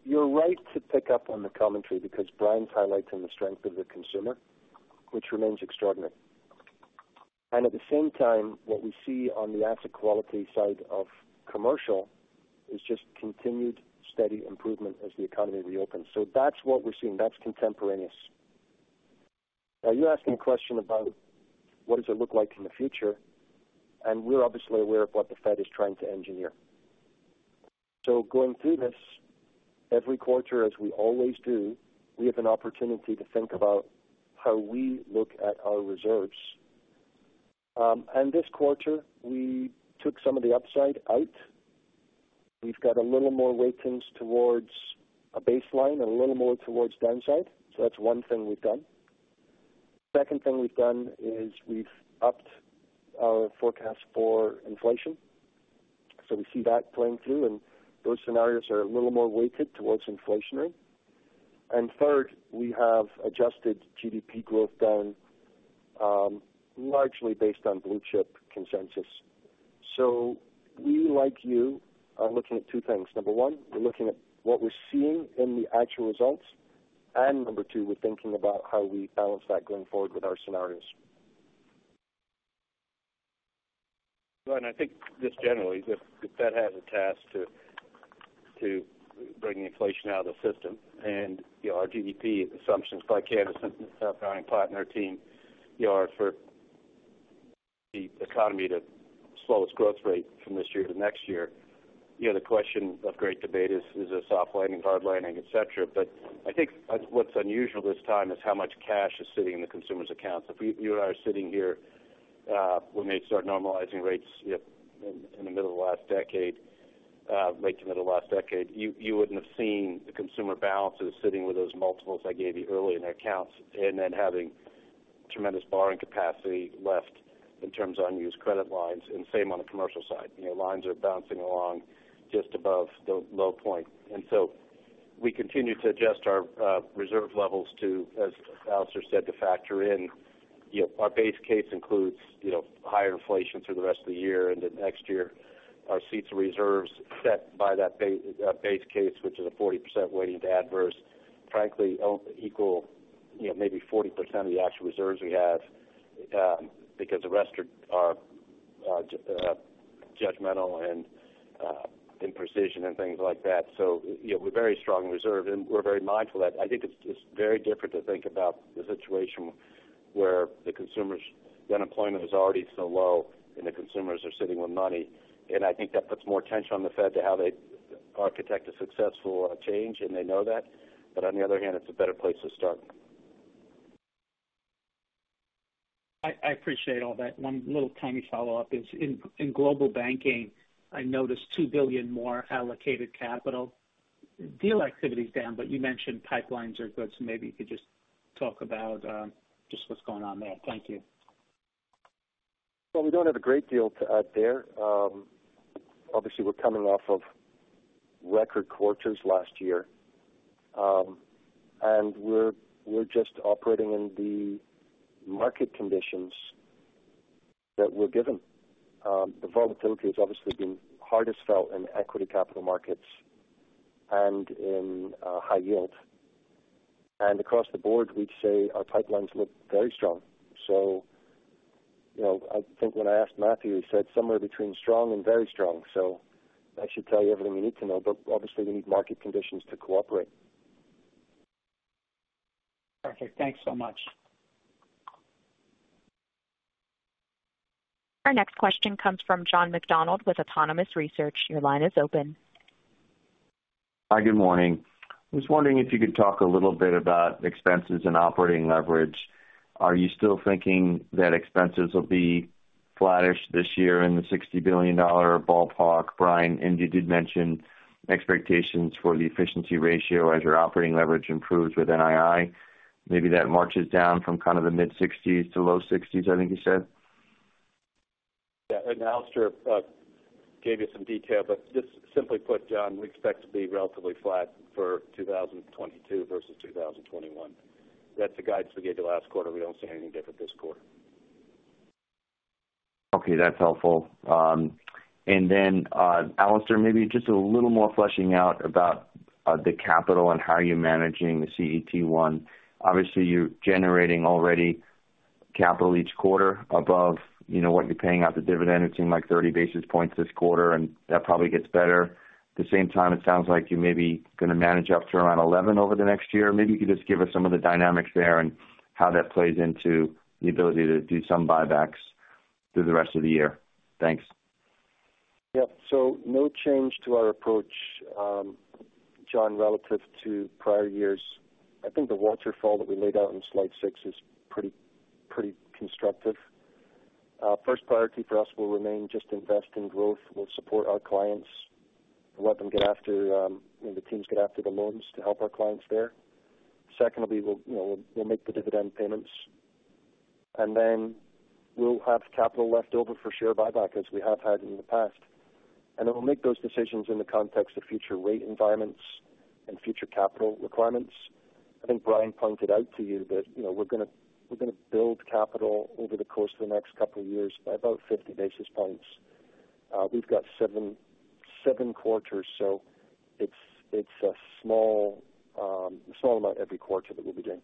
You're right to pick up on the commentary because Brian's highlighting the strength of the consumer, which remains extraordinary. At the same time, what we see on the asset quality side of commercial is just continued steady improvement as the economy reopens. That's what we're seeing. That's contemporaneous. Now you're asking a question about what does it look like in the future, and we're obviously aware of what the Fed is trying to engineer. Going through this every quarter as we always do, we have an opportunity to think about how we look at our reserves. This quarter we took some of the upside out. We've got a little more weightings towards a baseline, a little more towards downside. That's 1 thing we've done. Second thing we've done is we've upped our forecast for inflation. We see that playing through, and those scenarios are a little more weighted towards inflationary. Third, we have adjusted GDP growth down, largely based on blue-chip consensus. We, like you, are looking at 2 things. Number one, we're looking at what we're seeing in the actual results, and number 2, we're thinking about how we balance that going forward with our scenarios. Well, I think just generally, the Fed has a task to bring inflation out of the system. You know, our GDP assumptions by Candace Browning and their team, you know, are for the economy to slow its growth rate from this year to next year. You know, the question of great debate is it a soft landing, hard landing, et cetera. I think what's unusual this time is how much cash is sitting in the consumer's accounts. You and I were sitting here, when they start normalizing rates, you know, in the middle of last decade, late to middle of last decade, you wouldn't have seen the consumer balances sitting with those multiples I gave you earlier in their accounts and then having tremendous borrowing capacity left in terms of unused credit lines, and same on the commercial side. You know, lines are bouncing along just above the low point. We continue to adjust our reserve levels to, as Alastair said, to factor in. You know, our base case includes, you know, higher inflation through the rest of the year. Then next year, our CECL reserves set by that base case, which is a 40% weighting to adverse, frankly, 1 equal, you know, maybe 40% of the actual reserves we have, because the rest are judgmental and imprecision and things like that. You know, we're very strongly reserved, and we're very mindful that I think it's very different to think about the situation where the consumers' unemployment is already so low and the consumers are sitting with money. I think that puts more tension on the Fed to how they architect a successful change, and they know that. On the other hand, it's a better place to start. I appreciate all that. 1 little tiny follow-up is in global banking. I noticed $2 billion more allocated capital. Deal activity is down, but you mentioned pipelines are good, so maybe you could just talk about what's going on there. Thank you. Well, we don't have a great deal to add there. Obviously we're coming off of record quarters last year. We're just operating in the market conditions that we're given. The volatility has obviously been hardest felt in equity capital markets and in high yield. Across the board, we'd say our pipelines look very strong. You know, I think when I asked Matthew, he said somewhere between strong and very strong. That should tell you everything you need to know. Obviously we need market conditions to cooperate. Perfect. Thanks so much. Our next question comes from John McDonald with Autonomous Research. Your line is open. Hi, good morning. I was wondering if you could talk a little bit about expenses and operating leverage. Are you still thinking that expenses will be flattish this year in the $60 billion ballpark? Brian, and you did mention expectations for the efficiency ratio as your operating leverage improves with NII. Maybe that marches down from kind of the mid-60s% to low 60s%, I think you said. Yeah. Alastair gave you some detail, but just simply put, John, we expect to be relatively flat for 2022 versus 2021. That's the guidance we gave you last quarter. We don't see anything different this quarter. Okay. That's helpful. Alastair, maybe just a little more fleshing out about the capital and how you're managing the CET1. Obviously, you're generating already capital each quarter above, you know, what you're paying out the dividend. It seemed like 30 basis points this quarter, and that probably gets better. At the same time, it sounds like you may be going to manage up to around 11 over the next year. Maybe you could just give us some of the dynamics there and how that plays into the ability to do some buybacks through the rest of the year. Thanks. Yeah. No change to our approach, John, relative to prior years. I think the waterfall that we laid out in slide 6 is pretty constructive. First priority for us will remain just invest in growth. We'll support our clients and let them get after, you know, the teams get after the loans to help our clients there. Secondly, we'll, you know, we'll make the dividend payments. And then we'll have capital left over for share buybacks as we have had in the past. And then we'll make those decisions in the context of future rate environments and future capital requirements. I think Brian pointed out to you that, you know, we're going to build capital over the course of the next couple of years by about 50 basis points. We've got 7 quarters. It's a small amount every quarter that we'll be doing.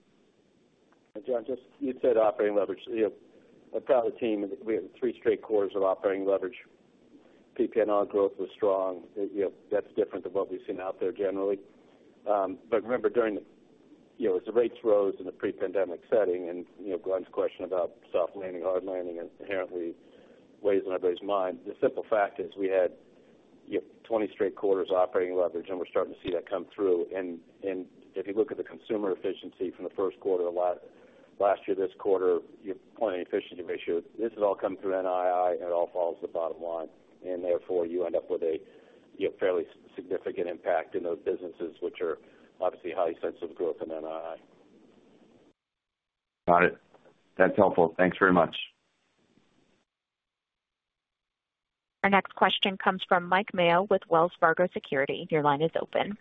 John, just you said operating leverage. You know, a proud team, and we have 3 straight quarters of operating leverage. PPNR growth was strong. You know, that's different than what we've seen out there generally. But remember during the, you know, as the rates rose in the pre-pandemic setting and, you know, Glenn's question about soft landing, hard landing inherently weighs on everybody's mind. The simple fact is we had, you have 20 straight quarters operating leverage, and we're starting to see that come through. If you look at the consumer efficiency from the Q1 last year this quarter, you have plenty of efficiency ratio. This has all come through NII, and it all falls to the bottom line. Therefore you end up with a, you know, fairly significant impact in those businesses which are obviously highly sensitive growth in NII. Got it. That's helpful. Thanks very much. Our next question comes from Mike Mayo with Wells Fargo Securities. Your line is open.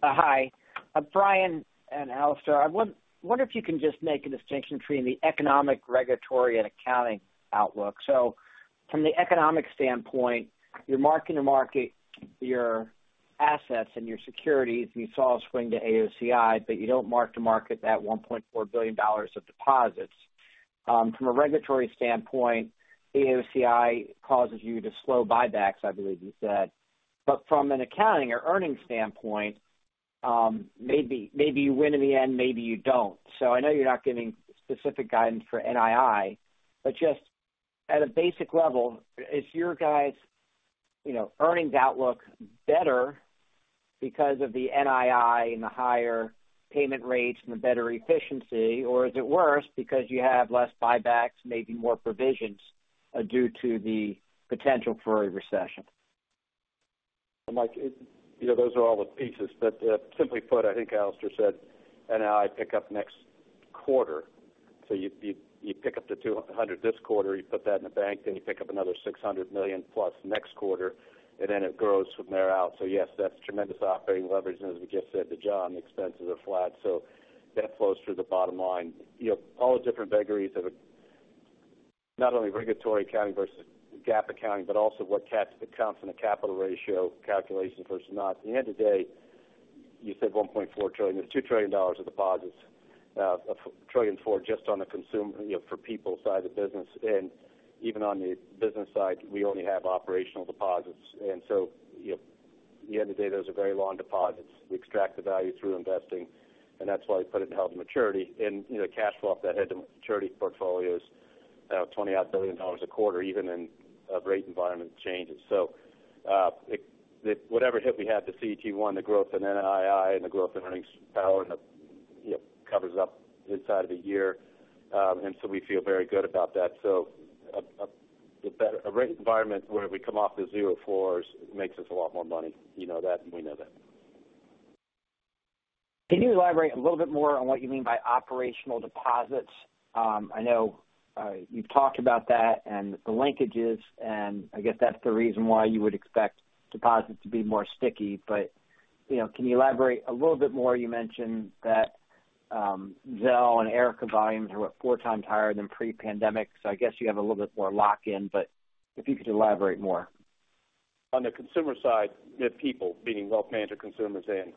Hi, Brian and Alastair. I wonder if you can just make a distinction between the economic, regulatory, and accounting outlook. From the economic standpoint, you're marking to market your assets and your securities, and you saw a swing to AOCI, but you don't mark to market that $1.4 billion of deposits. From a regulatory standpoint, AOCI causes you to slow buybacks, I believe you said. From an accounting or earnings standpoint, maybe you win in the end, maybe you don't. I know you're not giving specific guidance for NII. Just at a basic level, is you guys', you know, earnings outlook better because of the NII and the higher payment rates and the better efficiency? Or is it worse because you have less buybacks, maybe more provisions due to the potential for a recession? Mike, you know, those are all the pieces. Simply put, I think Alastair said NII pick up next quarter. You pick up the $200 million this quarter, you put that in the bank, then you pick up another $600 million plus next quarter, and then it grows from there out. Yes, that's tremendous operating leverage. As we just said to John, the expenses are flat, so that flows through the bottom line. You know, all the different buckets that are not only regulatory accounting versus GAAP accounting, but also what counts in a capital ratio calculation versus not. At the end of the day, you said $1.4 trillion. There's $2 trillion of deposits. $1 trillion for just the consumer, you know, for the people's side of the business. Even on the business side, we only have operational deposits. You know, at the end of the day, those are very long deposits. We extract the value through investing, and that's why we put it in held-to-maturity. You know, cash flow off that held-to-maturity portfolios, $20 billion a quarter even in rate environment changes. Whatever hit we had to CET1, the growth in NII and the growth in earnings power and, you know, covers up this side of the year. We feel very good about that. A better rate environment where we come off the zero floor makes us a lot more money. You know that, and we know that. Can you elaborate a little bit more on what you mean by operational deposits? I know, you've talked about that and the linkages, and I guess that's the reason why you would expect deposits to be more sticky. You know, can you elaborate a little bit more? You mentioned that, Zelle and Erica volumes are, what, 4 times higher than pre-pandemic. I guess you have a little bit more lock-in, but if you could elaborate more. On the consumer side, you have people being well-managed consumers and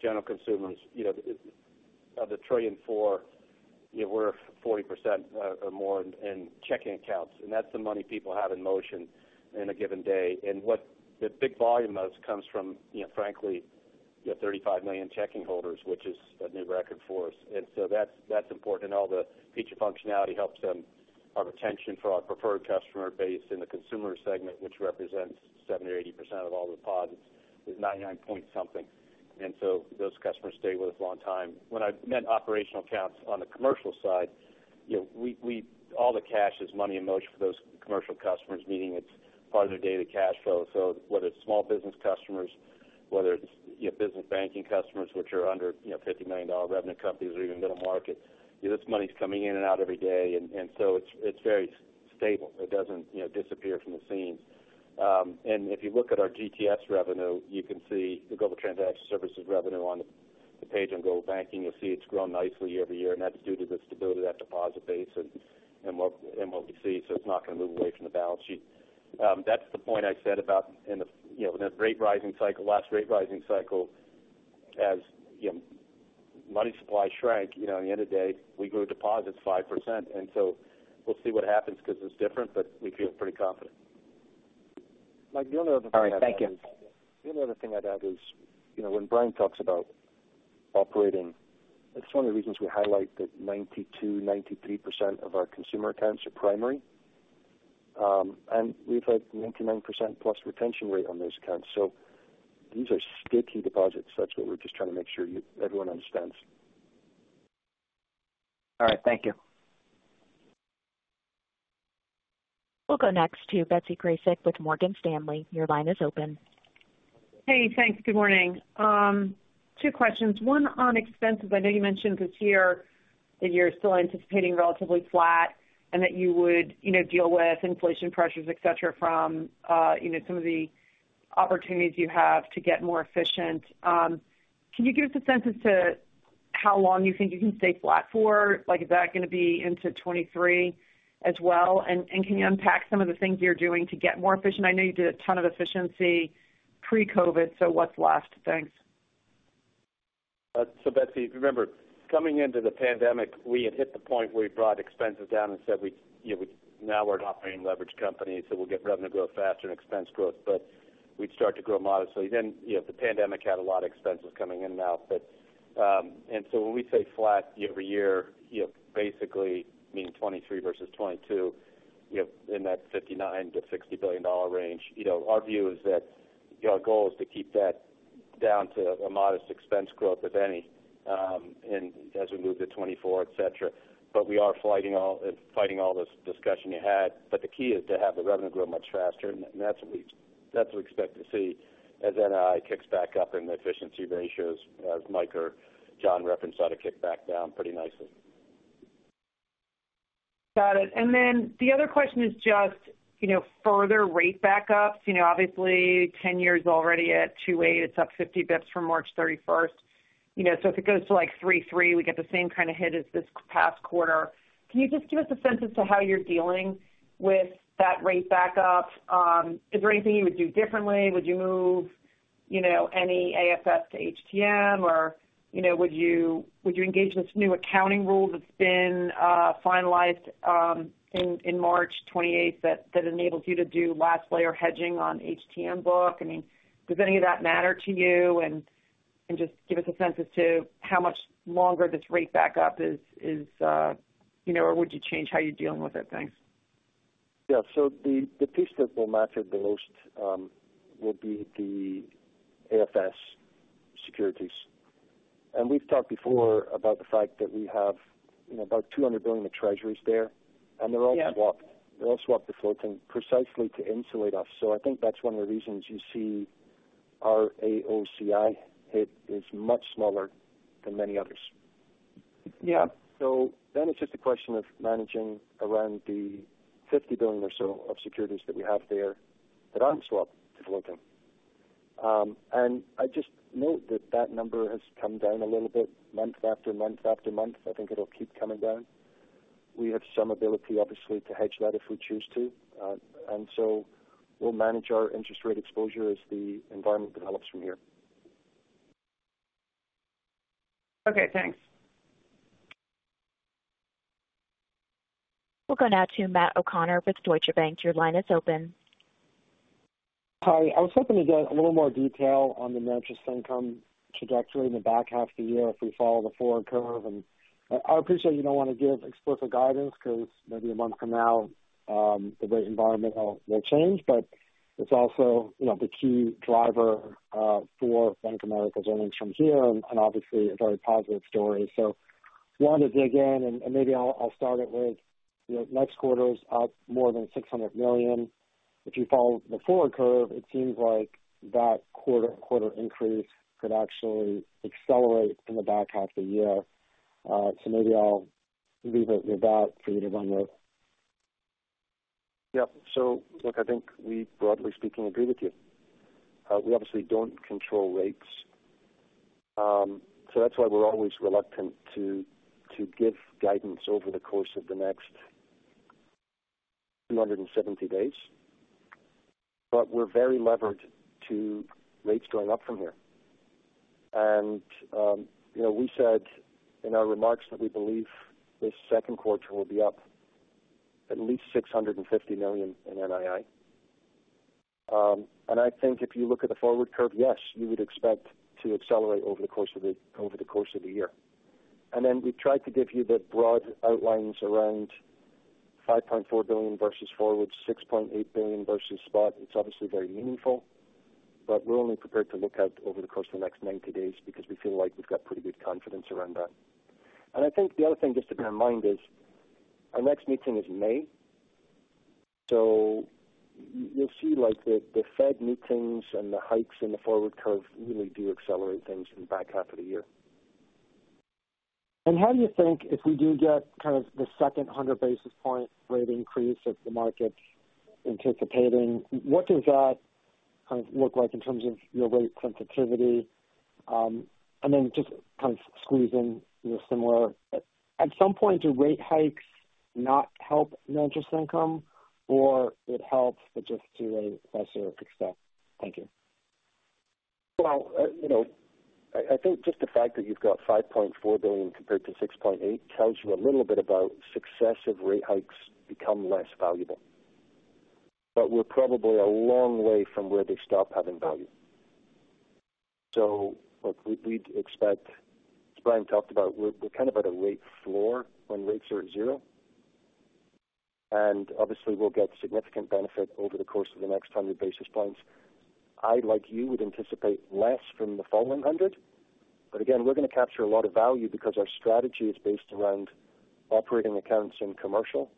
general consumers. You know, of the $1.4 trillion, you know, we're 40% or more in checking accounts. That's the money people have in motion in a given day. What the big volume of comes from, you know, frankly, you have 35 million checking holders, which is a new record for us. So that's important. All the feature functionality helps them. Our retention for our preferred customer base in the consumer segment, which represents 70% or 80% of all deposits, is 99.something%. So those customers stay with us a long time. When I meant operational accounts on the commercial side, you know, all the cash is money in motion for those commercial customers, meaning it's part of their daily cash flow. Whether it's small business customers, whether it's your business banking customers, which are under, you know, $50 million revenue companies or even middle market, this money's coming in and out every day. It's very stable. It doesn't, you know, disappear from the scene. If you look at our GTS revenue, you can see the Global Transaction Services revenue on the page on Global Banking. You'll see it's grown nicely year-over-year, and that's due to the stability of that deposit base and what we see. It's not going to move away from the balance sheet. That's the point I said about in the, you know, in the rate rising cycle, last rate rising cycle as, you know, money supply shrank. You know, at the end of the day, we grew deposits 5%. We'll see what happens because it's different, but we feel pretty confident. Mike, the other- All right. Thank you. The only other thing I'd add is, you know, when Brian talks about operating, it's 1 of the reasons we highlight that 92%-93% of our consumer accounts are primary. We've had 99%+ retention rate on those accounts. So these are sticky deposits. That's what we're just trying to make sure you, everyone understands. All right. Thank you. We'll go next to Betsy Graseck with Morgan Stanley. Your line is open. Hey, thanks. Good morning. 2 questions. 1 on expenses. I know you mentioned this year that you're still anticipating relatively flat and that you would, you know, deal with inflation pressures, et cetera, from, you know, some of the opportunities you have to get more efficient. Can you give us a sense as to how long you think you can stay flat for? Like, is that going to be into 2023 as well? And can you unpack some of the things you're doing to get more efficient? I know you did a ton of efficiency pre-COVID, so what's left? Thanks. Betsy, remember coming into the pandemic, we had hit the point where we brought expenses down and said we now we're an operating leverage company, so we'll get revenue growth faster and expense growth. We'd start to grow modestly. You know, the pandemic had a lot of expenses coming in and out. When we say flat year-over-year, you know, basically mean 2023 versus 2022, you know, in that $59 billion-$60 billion range. You know, our view is that, you know, our goal is to keep that down to a modest expense growth, if any, and as we move to 2024, etc. We are fighting all this discussion you had. The key is to have the revenue grow much faster. That's what we expect to see as NII kicks back up and the efficiency ratios, as Mike or John referenced, how to kick back down pretty nicely. Got it. The other question is just, you know, further rate backups. You know, obviously 10-year already at 2.8, it's up 50 basis points from March 31. You know, if it goes to like 3.3, we get the same kind of hit as this past quarter. Can you just give us a sense as to how you're dealing with that rate backup? Is there anything you would do differently? Would you move, you know, any AFS to HTM or, you know, would you engage this new accounting rule that's been finalized in March 28th that enables you to do last layer hedging on HTM book? I mean, does any of that matter to you? Just give us a sense as to how much longer this rate backup is, you know, or would you change how you're dealing with it? Thanks. Yeah. The piece that will matter the most will be the AFS securities. We've talked before about the fact that we have, you know, about $200 billion of treasuries there. Yeah. They're all swapped. They're all swapped to floating precisely to insulate us. I think that's 1 of the reasons you see our AOCI hit is much smaller than many others. Yeah. It's just a question of managing around the $50 billion or so of securities that we have there that aren't swapped to floating. I just note that number has come down a little bit month after month after month. I think it'll keep coming down. We have some ability, obviously, to hedge that if we choose to. We'll manage our interest rate exposure as the environment develops from here. Okay, thanks. We'll go now to Matthew O'Connor with Deutsche Bank. Your line is open. Hi. I was hoping to get a little more detail on the net interest income trajectory in the back half of the year if we follow the forward curve. I appreciate you don't want to give explicit guidance because maybe a month from now, the rate environment will change. It's also, you know, the key driver for Bank of America's earnings from here and obviously a very positive story. Wanted to dig in, and maybe I'll start it with, you know, next quarter's up more than $600 million. If you follow the forward curve, it seems like that quarter increase could actually accelerate in the back half of the year. Maybe I'll leave it with that for you to run with. Yeah. Look, I think we broadly speaking agree with you. We obviously don't control rates. That's why we're always reluctant to give guidance over the course of the next 270 days. We're very levered to rates going up from here. You know, we said in our remarks that we believe this Q2 will be up at least $650 million in NII. I think if you look at the forward curve, yes, you would expect to accelerate over the course of the year. We've tried to give you the broad outlines around $5.4 billion versus forward $6.8 billion versus spot. It's obviously very meaningful, but we're only prepared to look out over the course of the next 90 days because we feel like we've got pretty good confidence around that. I think the other thing just to bear in mind is our next meeting is in May. You'll see, like, the Fed meetings and the hikes in the forward curve really do accelerate things in the back half of the year. How do you think if we do get kind of the second hundred basis point rate increase that the market's anticipating, what does that kind of look like in terms of your rate sensitivity? Then just kind of squeeze in a similar. At some point, do rate hikes not help net interest income, or it helps but just to a lesser extent? Thank you. You know, I think just the fact that you've got $5.4 billion compared to $6.8 billion tells you a little bit about successive rate hikes become less valuable. We're probably a long way from where they stop having value. Look, we'd expect, as Brian talked about, we're kind of at a rate floor when rates are at 0, and obviously we'll get significant benefit over the course of the next 100 basis points. I'd like you would anticipate less from the following 100. Again, we're going to capture a lot of value because our strategy is based around operating accounts in commercial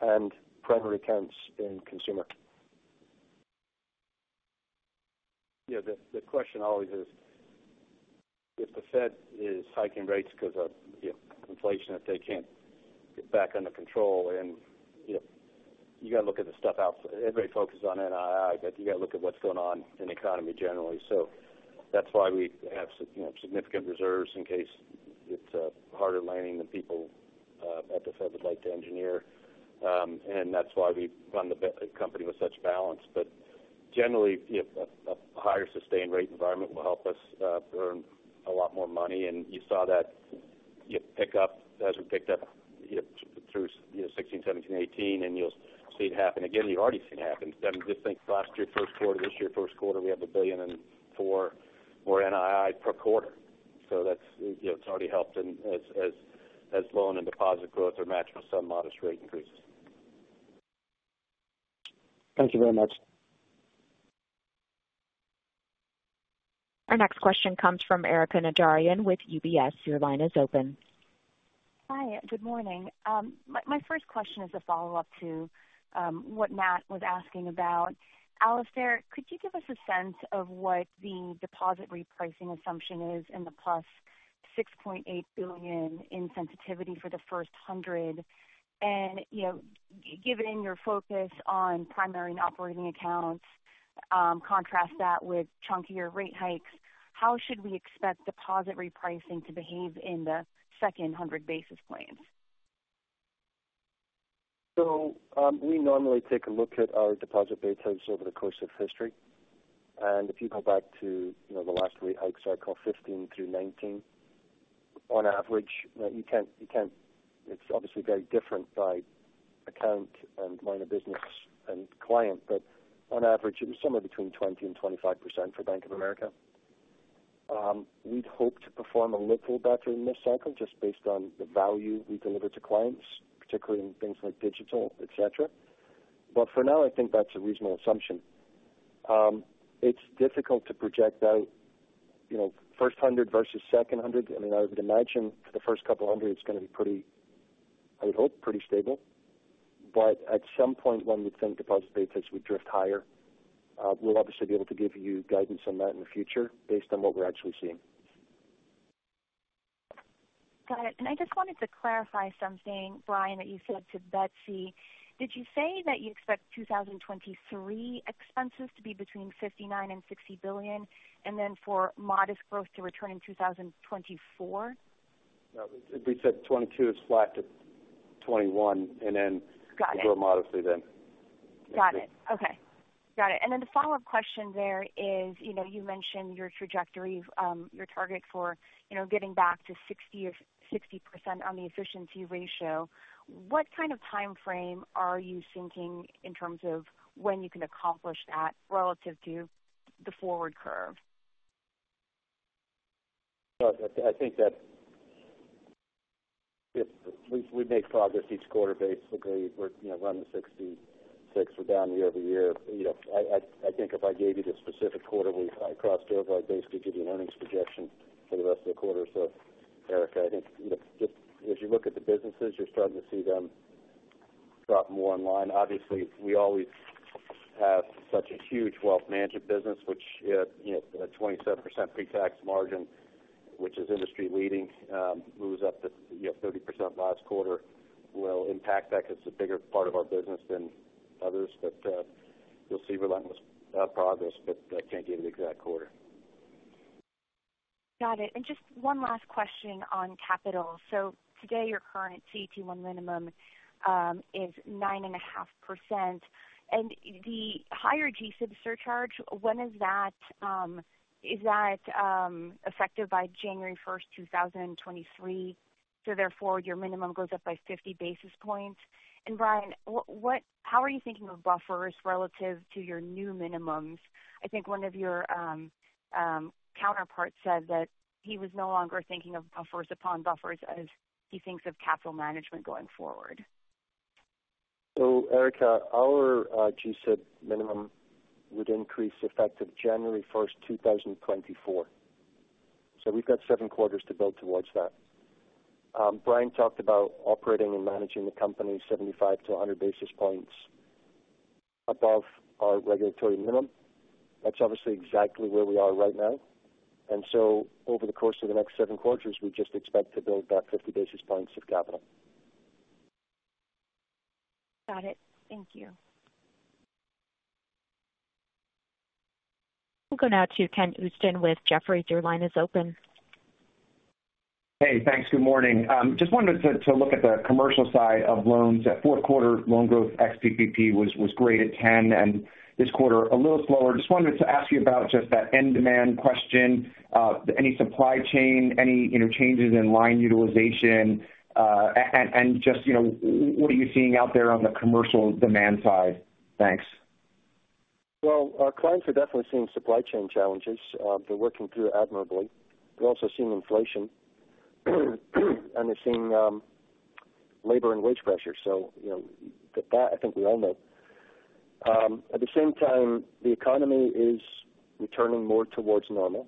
and primary accounts in consumer. Yeah. The question always is, if the Fed is hiking rates because of inflation that they can't get back under control. You know, you got to look at the stuff out there. Everybody focuses on NII, but you got to look at what's going on in the economy generally. That's why we have, you know, significant reserves in case it's a harder landing than people at the Fed would like to engineer. That's why we run the company with such balance. Generally, you know, a higher sustained rate environment will help us earn a lot more money. You saw that, you know, pick up as we picked up, you know, through 2016, 2017, 2018, and you'll see it happen again. You've already seen it happen. I mean, just think last year Q1, this year Q1, we have $1.004 billion more NII per quarter. That's, you know, it's already helped and as loan and deposit growth are matched with some modest rate increases. Thank you very much. Our next question comes from Erika Najarian with UBS. Your line is open. Hi, good morning. My first question is a follow-up to what Matt was asking about. Alastair, could you give us a sense of what the deposit repricing assumption is in the +$6.8 billion in sensitivity for the first 100? You know, given your focus on primary non-operating accounts, contrast that with chunkier rate hikes. How should we expect deposit repricing to behave in the second 100 basis points? We normally take a look at our deposit betas over the course of history. If you go back to, you know, the last rate hike cycle, 2015 through 2019, on average, you know, you can't. It's obviously very different by account and line of business and client. On average, it was somewhere between 20%-25% for Bank of America. We'd hope to perform a little better in this cycle just based on the value we deliver to clients, particularly in things like digital, et cetera. For now, I think that's a reasonable assumption. It's difficult to project out, you know, first 100 versus second 100. I mean, I would imagine for the first couple of 100, it's going to be pretty, I would hope, pretty stable. At some point 1 would think deposit betas would drift higher. We'll obviously be able to give you guidance on that in the future based on what we're actually seeing. Got it. I just wanted to clarify something, Brian, that you said to Betsy. Did you say that you expect 2023 expenses to be between $59 billion-$60 billion, and then for modest growth to return in 2024? No. We said '2022 is flat to 2021, and then-' Got it. grow modestly then. Got it. Okay. Got it. The follow-up question there is, you know, you mentioned your trajectory of your target for, you know, getting back to 60 or 60% on the efficiency ratio. What kind of timeframe are you thinking in terms of when you can accomplish that relative to the forward curve? Look, I think that if we make progress each quarter, basically we're running 66. We're down year over year. You know, I think if I gave you the specific quarter we crossed over, I'd basically give you an earnings projection for the rest of the quarter. Erika, I think, you know, just as you look at the businesses, you're starting to see them adopt more online. Obviously, we always have such a huge wealth management business which, you know, 27% pre-tax margin, which is industry leading, moves up to, you know, 30% last quarter will impact that because it's a bigger part of our business than others. You'll see relentless progress, but I can't give you the exact quarter. Got it. Just 1 last question on capital. Today, your current CET1 minimum is 9.5%. The higher GSIB surcharge, when is that effective by January 1, 2023? Therefore, your minimum goes up by 50 basis points. Brian, how are you thinking of buffers relative to your new minimums? I think 1 of your counterparts said that he was no longer thinking of buffers upon buffers as he thinks of capital management going forward. Erika, our GSIB minimum would increase effective January 1, 2024. We've got 7 quarters to build towards that. Brian talked about operating and managing the company 75-100 basis points above our regulatory minimum. That's obviously exactly where we are right now. Over the course of the next 7 quarters, we just expect to build that 50 basis points of capital. Got it. Thank you. We'll go now to Kenneth Usdin with Jefferies. Your line is open. Hey, thanks. Good morning. Just wanted to look at the commercial side of loans. At Q4, loan growth ex-PPP was great at 10%, and this quarter a little slower. Just wanted to ask you about just that end demand question. Any supply chain, you know, changes in line utilization, and just, you know, what are you seeing out there on the commercial demand side? Thanks. Well, our clients are definitely seeing supply chain challenges. They're working through admirably. They're also seeing inflation, and they're seeing labor and wage pressure. You know, that I think we all know. At the same time, the economy is returning more towards normal,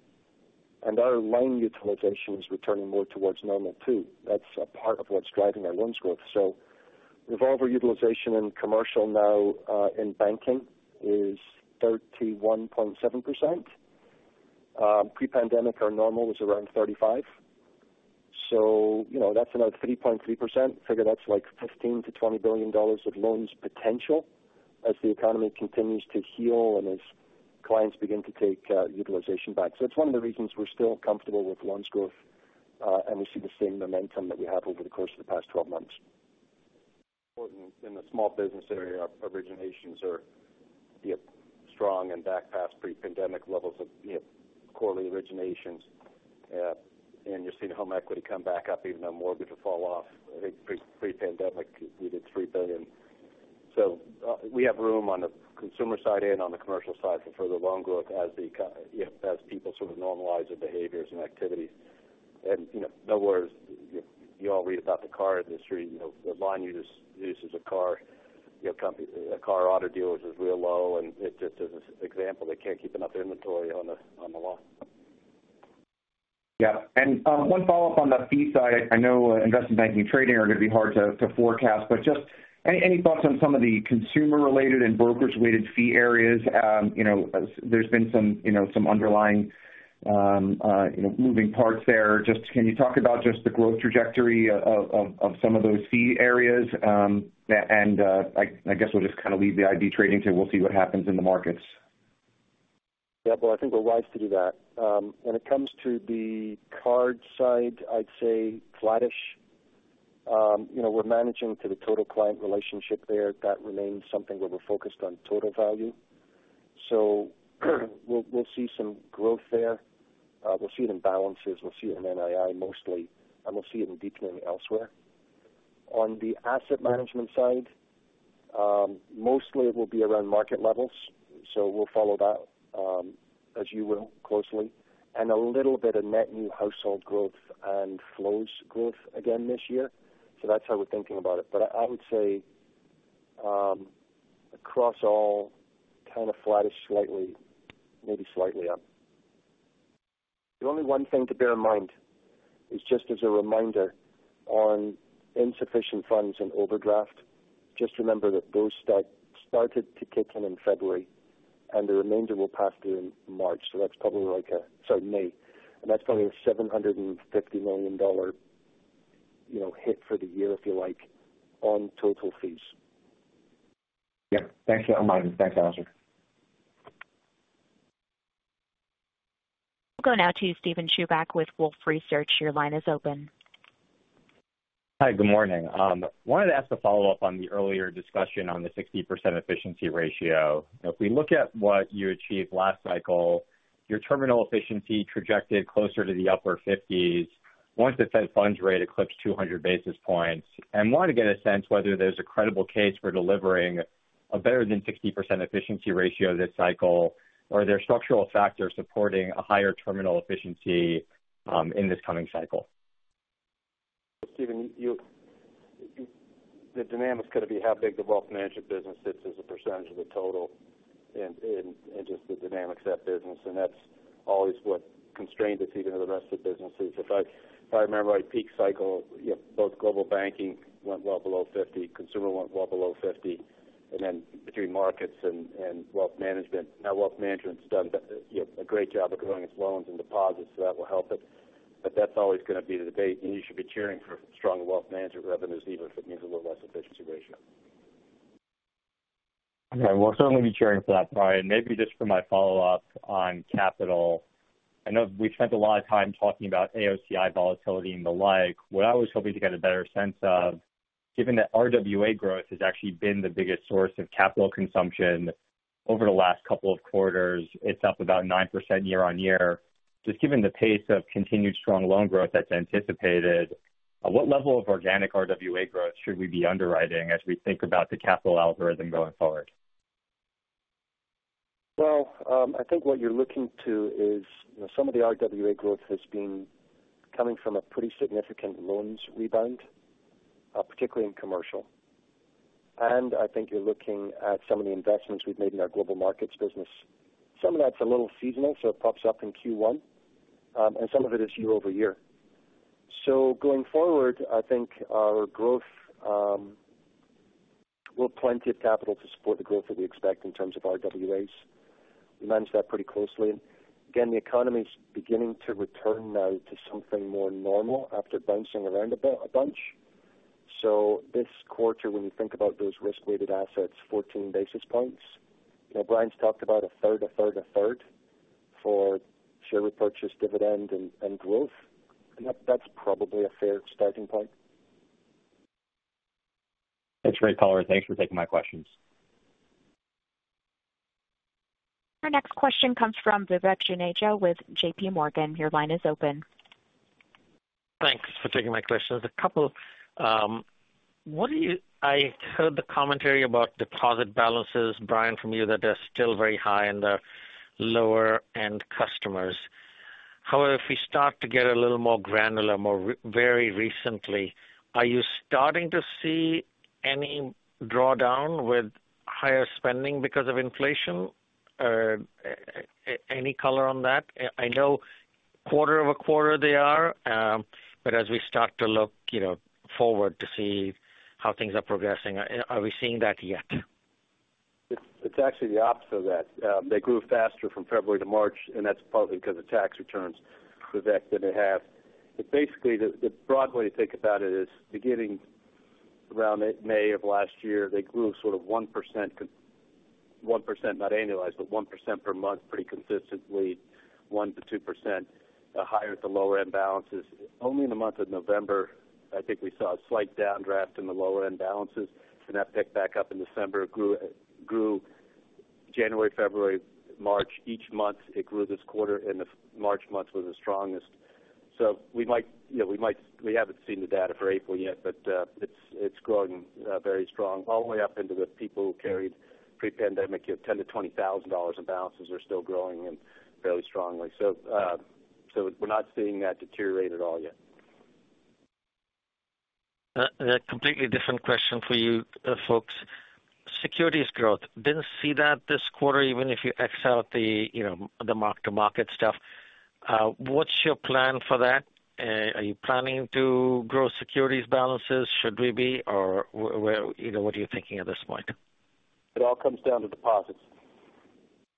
and our line utilization is returning more towards normal too. That's a part of what's driving our loans growth. Revolver utilization in commercial now in banking is 31.7%. Pre-pandemic our normal was around 35. You know, that's another 3.3%. Figure that's like $15 billion-$20 billion of loans potential as the economy continues to heal and as clients begin to take utilization back. It's 1 of the reasons we're still comfortable with loan growth, and we see the same momentum that we have over the course of the past 12 months. Important in the small business area, our originations are, you know, strong and back past pre-pandemic levels of, you know, quarterly originations. You're seeing home equity come back up even on mortgage fall off. I think pre-pandemic we did $3 billion. We have room on the consumer side and on the commercial side for further loan growth as you know, as people sort of normalize their behaviors and activities. You know, in other words, you all read about the car industry. You know, the line usage for commercial car auto dealers is real low. It just as an example, they can't keep enough inventory on the lot. Yeah. 1 follow-up on the fee side. I know investment banking trading are going to be hard to forecast, but just any thoughts on some of the consumer-related and brokers-related fee areas? You know, there's been some, you know, some underlying, you know, moving parts there. Just can you talk about just the growth trajectory of some of those fee areas? I guess we'll just kind of leave the IB trading. We'll see what happens in the markets. Yeah. Well, I think we're wise to do that. When it comes to the card side, I'd say flattish. You know, we're managing to the total client relationship there. That remains something where we're focused on total value. We'll see some growth there. We'll see it in balances, we'll see it in NII mostly, and we'll see it in declining elsewhere. On the asset management side, mostly it will be around market levels, so we'll follow that, as you will closely. A little bit of net new household growth and flows growth again this year. That's how we're thinking about it. I would say, across all kind of flattish slightly, maybe slightly up. The only 1 thing to bear in mind is just as a reminder on insufficient funds and overdraft, just remember that those started to kick in in February, and the remainder will pass through in, sorry, May. That's probably like a $750 million, you know, hit for the year, if you like, on total fees. Yeah. Thanks. I'll mind it. Thanks, Alastair. We'll go now to Steven Chubak with Wolfe Research. Your line is open. Hi. Good morning. Wanted to ask a follow-up on the earlier discussion on the 60% efficiency ratio. If we look at what you achieved last cycle, your terminal efficiency projected closer to the upper 50s once the Fed funds rate eclipsed 200 basis points. Wanted to get a sense whether there's a credible case for delivering a better than 60% efficiency ratio this cycle, or are there structural factors supporting a higher terminal efficiency in this coming cycle? Steven, the dynamic's going to be how big the wealth management business sits as a percentage of the total and just the dynamics of that business, and that's always what constrained it even to the rest of the businesses. If I remember right, peak cycle, you know, both global banking went well below 50, consumer went well below 50. Between markets and wealth management. Now, wealth management's done you know, a great job of growing its loans and deposits, so that will help it. That's always going to be the debate. You should be cheering for strong wealth management revenues even if it means a little less efficiency ratio. Okay. We'll certainly be cheering for that, Brian. Maybe just for my follow-up on capital. I know we've spent a lot of time talking about AOCI volatility and the like. What I was hoping to get a better sense of, given that RWA growth has actually been the biggest source of capital consumption over the last couple of quarters, it's up about 9% year-over-year. Just given the pace of continued strong loan growth that's anticipated, what level of organic RWA growth should we be underwriting as we think about the capital algorithm going forward? Well, I think what you're looking to is some of the RWA growth has been coming from a pretty significant loans rebound, particularly in commercial. I think you're looking at some of the investments we've made in our global markets business. Some of that's a little seasonal, so it pops up in Q1, and some of it is year-over-year. Going forward, I think our growth, we'll have plenty of capital to support the growth that we expect in terms of RWAs. We manage that pretty closely. Again, the economy's beginning to return now to something more normal after bouncing around a bunch. This quarter, when you think about those risk-weighted assets, 14 basis points. Now Brian's talked about a third for share repurchase dividend and growth. That's probably a fair starting point. That's great color. Thanks for taking my questions. Our next question comes from Vivek Juneja with JP Morgan. Your line is open. Thanks for taking my questions. A couple, I heard the commentary about deposit balances, Brian, from you that they're still very high in the lower end customers. However, if we start to get a little more granular, very recently, are you starting to see any drawdown with higher spending because of inflation? Any color on that? I know quarter-over-quarter they are, but as we start to look, you know, forward to see how things are progressing, are we seeing that yet? It's actually the opposite of that. They grew faster from February to March, and that's partly because of tax returns, Vivek, that they have. Basically, the broad way to think about it is beginning around May of last year, they grew sort of 1% not annualized, but 1% per month pretty consistently, 1%-2% higher at the lower end balances. Only in the month of November, I think we saw a slight downdraft in the lower end balances, and that picked back up in December. It grew January, February, March, each month it grew this quarter, and the March month was the strongest. We might, you know, we haven't seen the data for April yet, but it's growing very strong all the way up into the people who carried pre-pandemic. You have $10,000-$20,000 in balances are still growing and fairly strongly. We're not seeing that deteriorate at all yet. A completely different question for you, folks. Securities growth. Didn't see that this quarter, even if you x out the, you know, the mark-to-market stuff. What's your plan for that? Are you planning to grow securities balances? Should we be or where, you know, what are you thinking at this point? It all comes down to deposits.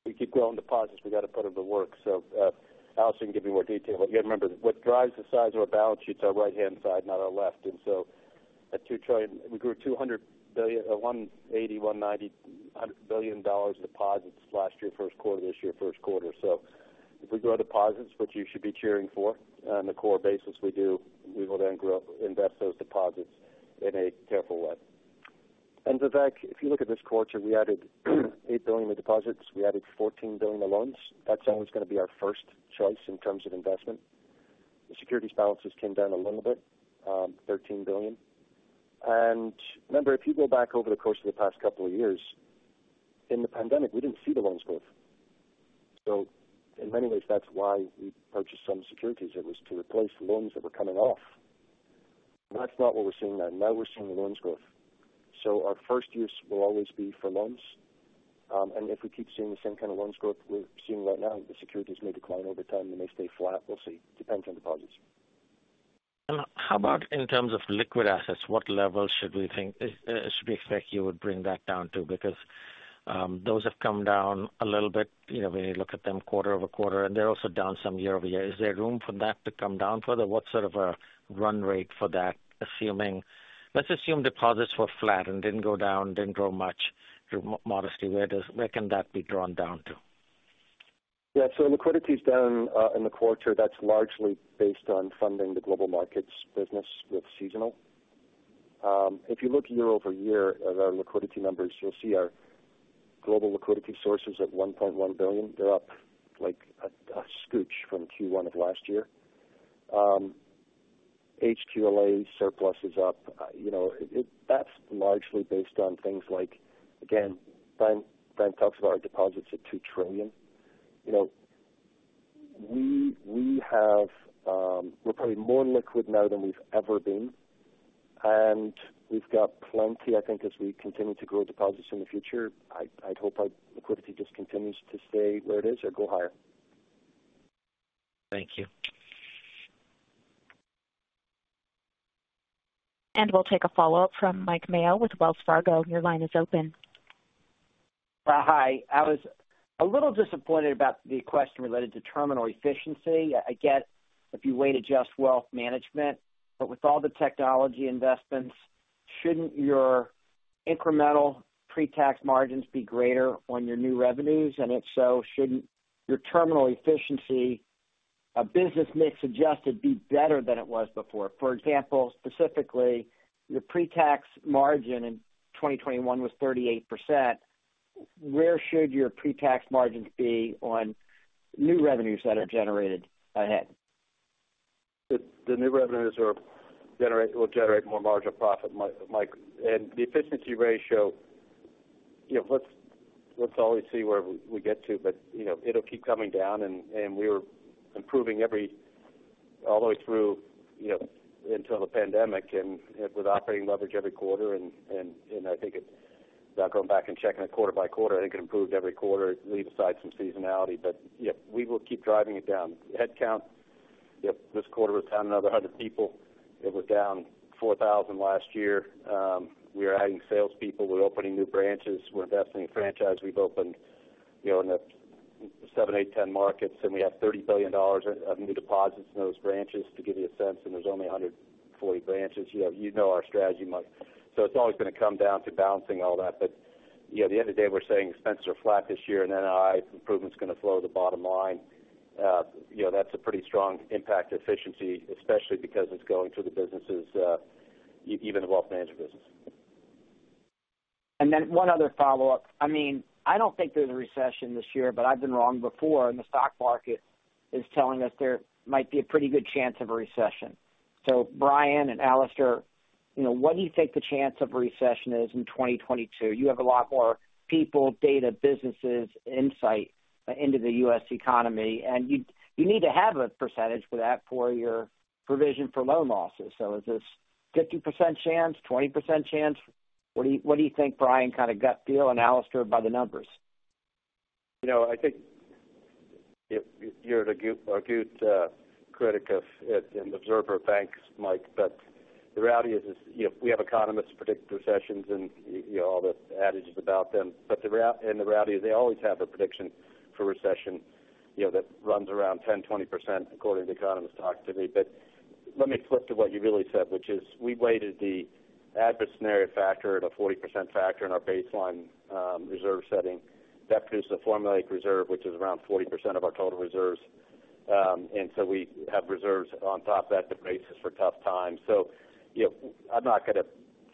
If we keep growing deposits, we got to put them to work. Alastair can give you more detail, but you got to remember, what drives the size of our balance sheet is our right-hand side, not our left. At $2 trillion, we grew $200 billion, $180 billion, $190 billion, $100 billion in deposits last year first quarter, this year first quarter. If we grow deposits, which you should be cheering for, on the core basis we do, we will then grow, invest those deposits in a careful way. Vivek, if you look at this quarter, we added $8 billion in deposits. We added $14 billion in loans. That's always going to be our first choice in terms of investment. The securities balances came down a little bit, $13 billion. Remember, if you go back over the course of the past couple of years, in the pandemic we didn't see the loan growth. In many ways that's why we purchased some securities. It was to replace loans that were coming off. That's not what we're seeing now. Now we're seeing the loan growth. Our first use will always be for loans. And if we keep seeing the same kind of loan growth we're seeing right now, the securities may decline over time, and they stay flat. We'll see. Depends on deposits. How about in terms of liquid assets? What level should we expect you would bring that down to? Because those have come down a little bit, you know, when you look at them quarter-over-quarter, and they're also down some year-over-year. Is there room for that to come down further? What sort of a run rate for that? Let's assume deposits were flat and didn't go down, didn't grow much modestly. Where can that be drawn down to? Yeah. Liquidity is down in the quarter. That's largely based on funding the global markets business with seasonal. If you look year-over-year at our liquidity numbers, you'll see our global liquidity sources at $1.1 billion. They're up like a scooch from Q1 of last year. HQLA surplus is up. You know, that's largely based on things like, again, Brian talks about our deposits at $2 trillion. You know, we have, we're probably more liquid now than we've ever been, and we've got plenty, I think, as we continue to grow deposits in the future. I'd hope our liquidity just continues to stay where it is or go higher. Thank you. We'll take a follow-up from Mike Mayo with Wells Fargo. Your line is open. Hi. I was a little disappointed about the question related to terminal efficiency. I get if you weight adjust wealth management, but with all the technology investments, shouldn't your incremental pre-tax margins be greater on your new revenues? If so, shouldn't your terminal efficiency, business mix adjusted be better than it was before? For example, specifically, your pre-tax margin in 2021 was 38%. Where should your pre-tax margins be on new revenues that are generated ahead? The new revenues will generate more marginal profit, Mike. The efficiency ratio, you know, let's always see where we get to. You know, it'll keep coming down and we were improving all the way through, you know, until the pandemic and with operating leverage every quarter. I think it improved every quarter, leave aside some seasonality. Yeah, we will keep driving it down. Headcount, yep, this quarter was down another 100 people. It was down 4,000 last year. We are adding salespeople. We're opening new branches. We're investing in franchise. We've opened, you know, in the 7, 8 to 10 markets, and we have $30 billion of new deposits in those branches to give you a sense. There's only 140 branches. You have, you know, our strategy, Mike. It's always going to come down to balancing all that. You know, at the end of the day, we're saying expenses are flat this year. Then NII improvement's going to flow to the bottom line. You know, that's a pretty strong impact to efficiency, especially because it's going to the businesses, even the wealth management business. 1 other follow-up. I mean, I don't think there's a recession this year, but I've been wrong before, and the stock market is telling us there might be a pretty good chance of a recession. Brian and Alastair, you know, what do you think the chance of a recession is in 2022? You have a lot more people, data, businesses, insight into the U.S. economy, and you need to have a percentage for that for your provision for loan losses. Is this 50% chance, 20% chance? What do you think, Brian, kind of gut feel, and Alastair by the numbers? You know, I think if you're an acute critic of and observer of banks, Mike, but the reality is, you know, we have economists predict recessions and you know, all the adages about them. The reality is they always have a prediction for recession, you know, that runs around 10%-20% according to economic activity. Let me flip to what you really said, which is we weighted the adverse scenario factor at a 40% factor in our baseline, reserve setting. That produces a formulaic reserve, which is around 40% of our total reserves. We have reserves on top of that to brace us for tough times. You know, I'm not going to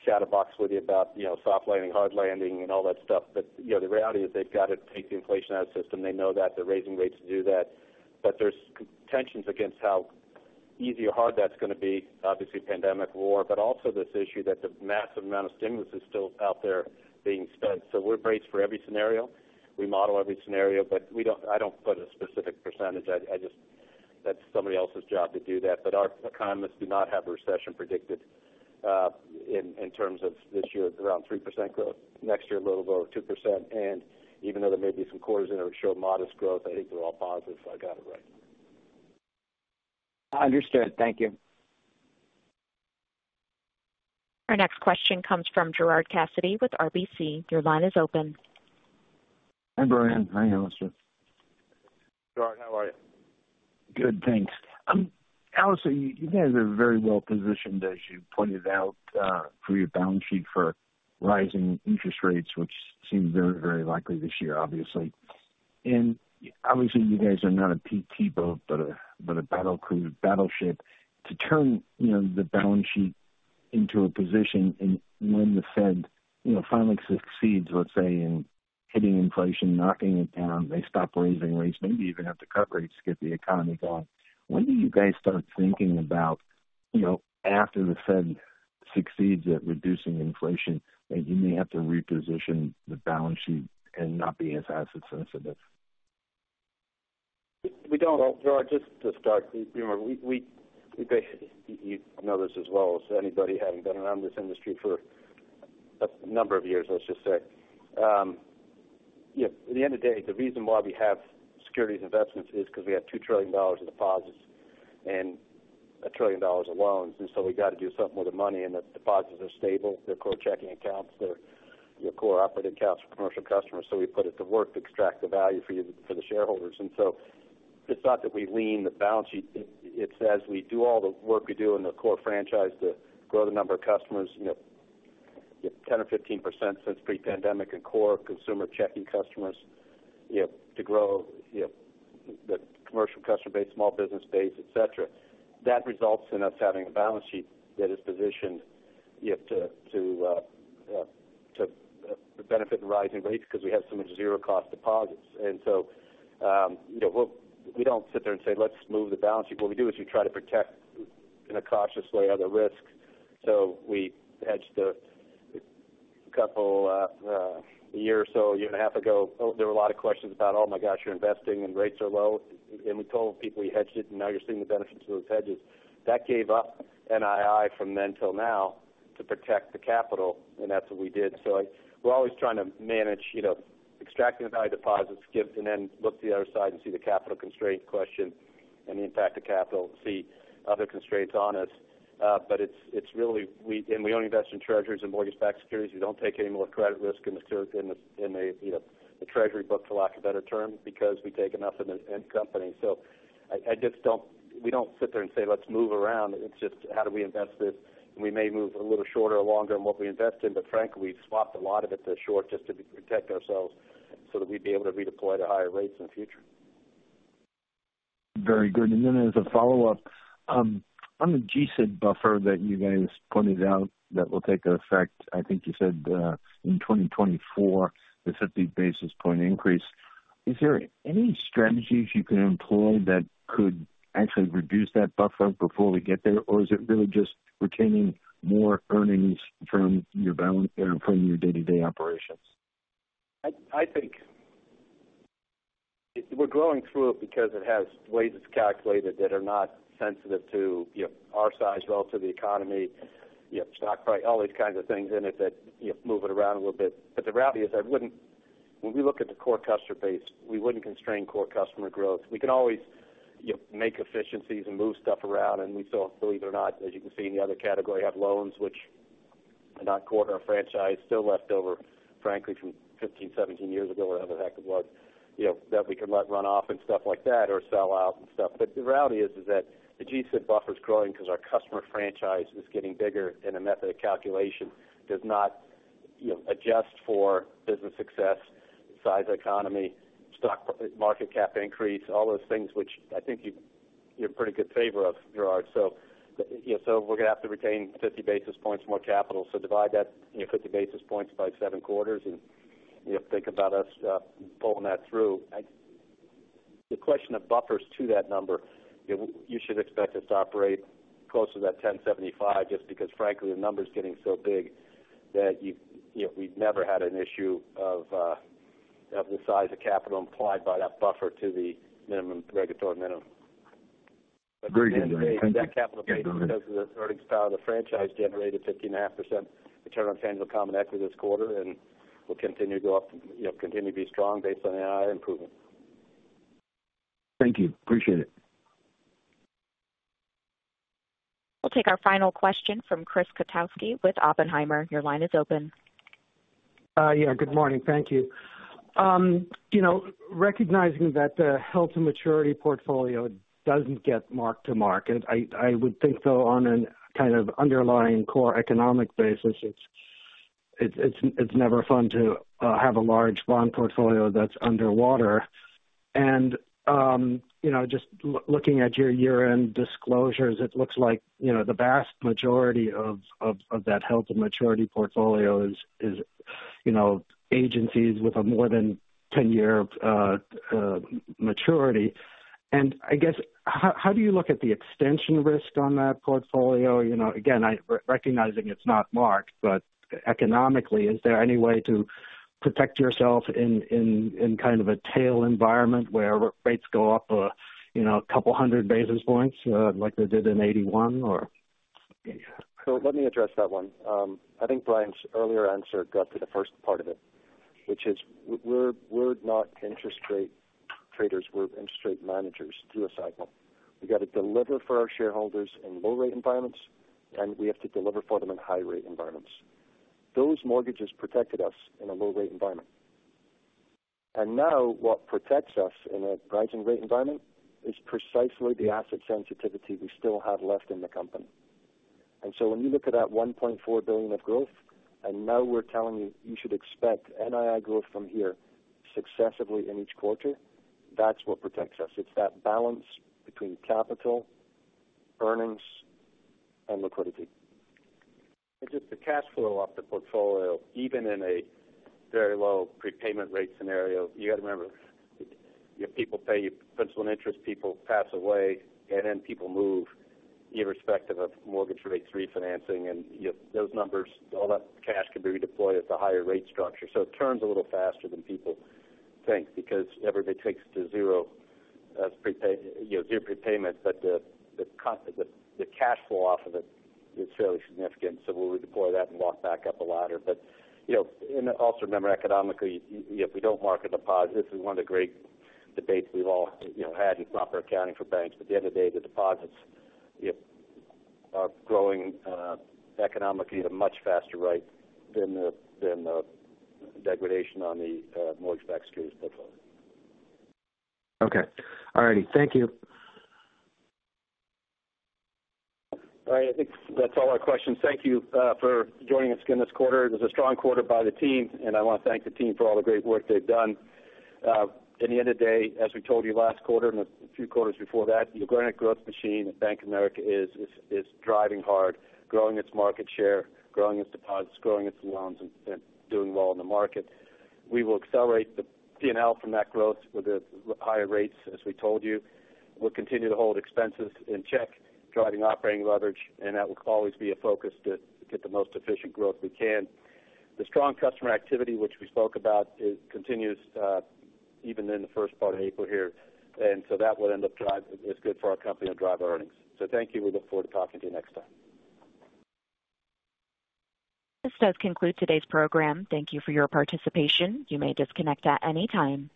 shadow box with you about, you know, soft landing, hard landing and all that stuff. You know, the reality is they've got to take the inflation out of the system. They know that. They're raising rates to do that. There's tensions against how easy or hard that's going to be. Obviously pandemic, war, but also this issue that the massive amount of stimulus is still out there being spent. We're braced for every scenario. We model every scenario, but I don't put a specific percentage. I just. That's somebody else's job to do that. Our economists do not have a recession predicted, in terms of this year it's around 3% growth. Next year, a little lower, 2%. Even though there may be some quarters in there which show modest growth, I think they're all positive, if I got it right. Understood. Thank you. Our next question comes from Gerard Cassidy with RBC. Your line is open. Hi, Brian. Hi, Alastair. Gerard, how are you? Good, thanks. Alastair, you guys are very well positioned, as you pointed out, for your balance sheet for rising interest rates, which seems very, very likely this year, obviously. Obviously, you guys are not a PT boat, but a battleship to turn, you know, the balance sheet into a position. When the Fed, you know, finally succeeds, let's say, in hitting inflation, knocking it down, they stop raising rates, maybe even have to cut rates to get the economy going. When do you guys start thinking about, you know, after the Fed succeeds at reducing inflation, that you may have to reposition the balance sheet and not be as asset sensitive? We don't. Gerard, just to start, you know, we basically, you know this as well as anybody, having been around this industry for a number of years, let's just say. You know, at the end of the day, the reason why we have securities investments is because we have $2 trillion in deposits and $1 trillion of loans. We got to do something with the money. The deposits are stable. They're core checking accounts. They're your core operating accounts for commercial customers. We put it to work to extract the value for you, for the shareholders. It's not that we lean the balance sheet. It's as we do all the work we do in the core franchise to grow the number of customers, you know, 10% or 15% since pre-pandemic in core consumer checking customers, you know, to grow, you know, the commercial customer base, small business base, et cetera. That results in us having a balance sheet that is positioned, you know, to benefit the rising rates because we have so much zero cost deposits. We don't sit there and say, "Let's move the balance sheet." What we do is we try to protect in a cautious way other risk. We hedge a couple years or so, year and a half ago, there were a lot of questions about, oh my gosh, you're investing and rates are low. We told people we hedged it, and now you're seeing the benefits of those hedges. That gave up NII from then till now to protect the capital, and that's what we did. We're always trying to manage, you know, extracting the value deposits, and then look to the other side and see the capital constraint question and the impact of capital to see other constraints on us. It's really and we only invest in treasuries and mortgage-backed securities. We don't take any more credit risk in the you know, the treasury book, for lack of a better term. Because we take enough in company. I just we don't sit there and say, let's move around. It's just how do we invest this? We may move a little shorter or longer in what we invest in, but frankly, we've swapped a lot of it to short just to protect ourselves so that we'd be able to redeploy to higher rates in the future. Very good. As a follow-up, on the G-SIB buffer that you guys pointed out that will take effect, I think you said, in 2024, the 50 basis point increase. Is there any strategies you can employ that could actually reduce that buffer before we get there? Or is it really just retaining more earnings from your balance there, from your day-to-day operations? I think we're growing through it because it has ways it's calculated that are not sensitive to, you know, our size relative to the economy, you know, stock price, all these kinds of things in it that, you know, move it around a little bit. The reality is when we look at the core customer base, we wouldn't constrain core customer growth. We can always, you know, make efficiencies and move stuff around. We still, believe it or not, as you can see in the other category, have loans which are not core to our franchise, still left over, frankly, from 15, 17 years ago or whatever the heck it was, you know, that we can let run off and stuff like that or sell out and stuff. The reality is that the GSIB buffer is growing because our customer franchise is getting bigger, and the method of calculation does not, you know, adjust for business success, size economy, stock market cap increase, all those things which I think you're pretty in favor of, Gerard. You know, we're going to have to retain 50 basis points more capital. Divide that, you know, 50 basis points by 7 quarters and, you know, think about us pulling that through. The question of buffers to that number, you know, you should expect us to operate closer to that 10.75 just because frankly the number is getting so big that you know, we've never had an issue of the size of capital implied by that buffer to the minimum regulatory minimum. At the end of the day, that capital base because of the earnings power of the franchise generated 15.5% return on tangible common equity this quarter and will continue to go up, you know, continue to be strong based on NII improvement. Thank you. Appreciate it. We'll take our final question from Chris Kotowski with Oppenheimer. Your line is open. Good morning. Thank you. You know, recognizing that the held-to-maturity portfolio doesn't get marked to market, I would think, though, on a kind of underlying core economic basis, it's never fun to have a large bond portfolio that's underwater. You know, just looking at your year-end disclosures, it looks like you know the vast majority of that held-to-maturity portfolio is you know agencies with a more than 10-year maturity. I guess how do you look at the extension risk on that portfolio? You know, again, recognizing it's not marked, but economically, is there any way to protect yourself in kind of a tail environment where rates go up you know a couple of hundred basis points like they did in 1981 or? Let me address that one. I think Brian's earlier answer got to the first part of it, which is we're not interest rate traders. We're interest rate managers through a cycle. We got to deliver for our shareholders in low rate environments, and we have to deliver for them in high rate environments. Those mortgages protected us in a low rate environment. Now what protects us in a rising rate environment is precisely the asset sensitivity we still have left in the company. When you look at that $1.4 billion of growth, and now we're telling you should expect NII growth from here successively in each quarter, that's what protects us. It's that balance between capital, earnings, and liquidity. Just the cash flow off the portfolio, even in a very low prepayment rate scenario, you got to remember, you have people pay principal and interest, people pass away, and then people move irrespective of mortgage rates refinancing. You have those numbers, all that cash can be redeployed at the higher rate structure. It turns a little faster than people think because everybody takes it to zero as prepay—you know, zero prepayment, but the cash flow off of it is fairly significant. We'll deploy that and walk back up the ladder. You know, also remember economically, you know, we don't market deposits. This is 1 of the great debates we've all, you know, had in proper accounting for banks. At the end of the day, the deposits, if they are growing, economically at a much faster rate than the degradation on the mortgage-backed securities portfolio. Okay. All righty. Thank you. All right. I think that's all our questions. Thank you for joining us again this quarter. It was a strong quarter by the team, and I want to thank the team for all the great work they've done. At the end of the day, as we told you last quarter and a few quarters before that, the organic growth machine at Bank of America is driving hard, growing its market share, growing its deposits, growing its loans, and doing well in the market. We will accelerate the P&L from that growth with the higher rates, as we told you. We'll continue to hold expenses in check, driving operating leverage, and that will always be a focus to get the most efficient growth we can. The strong customer activity which we spoke about is continuous, even in the first part of April here. That will end up driving. It's good for our company and drive our earnings. Thank you. We look forward to talking to you next time. This does conclude today's program. Thank you for your participation. You may disconnect at any time.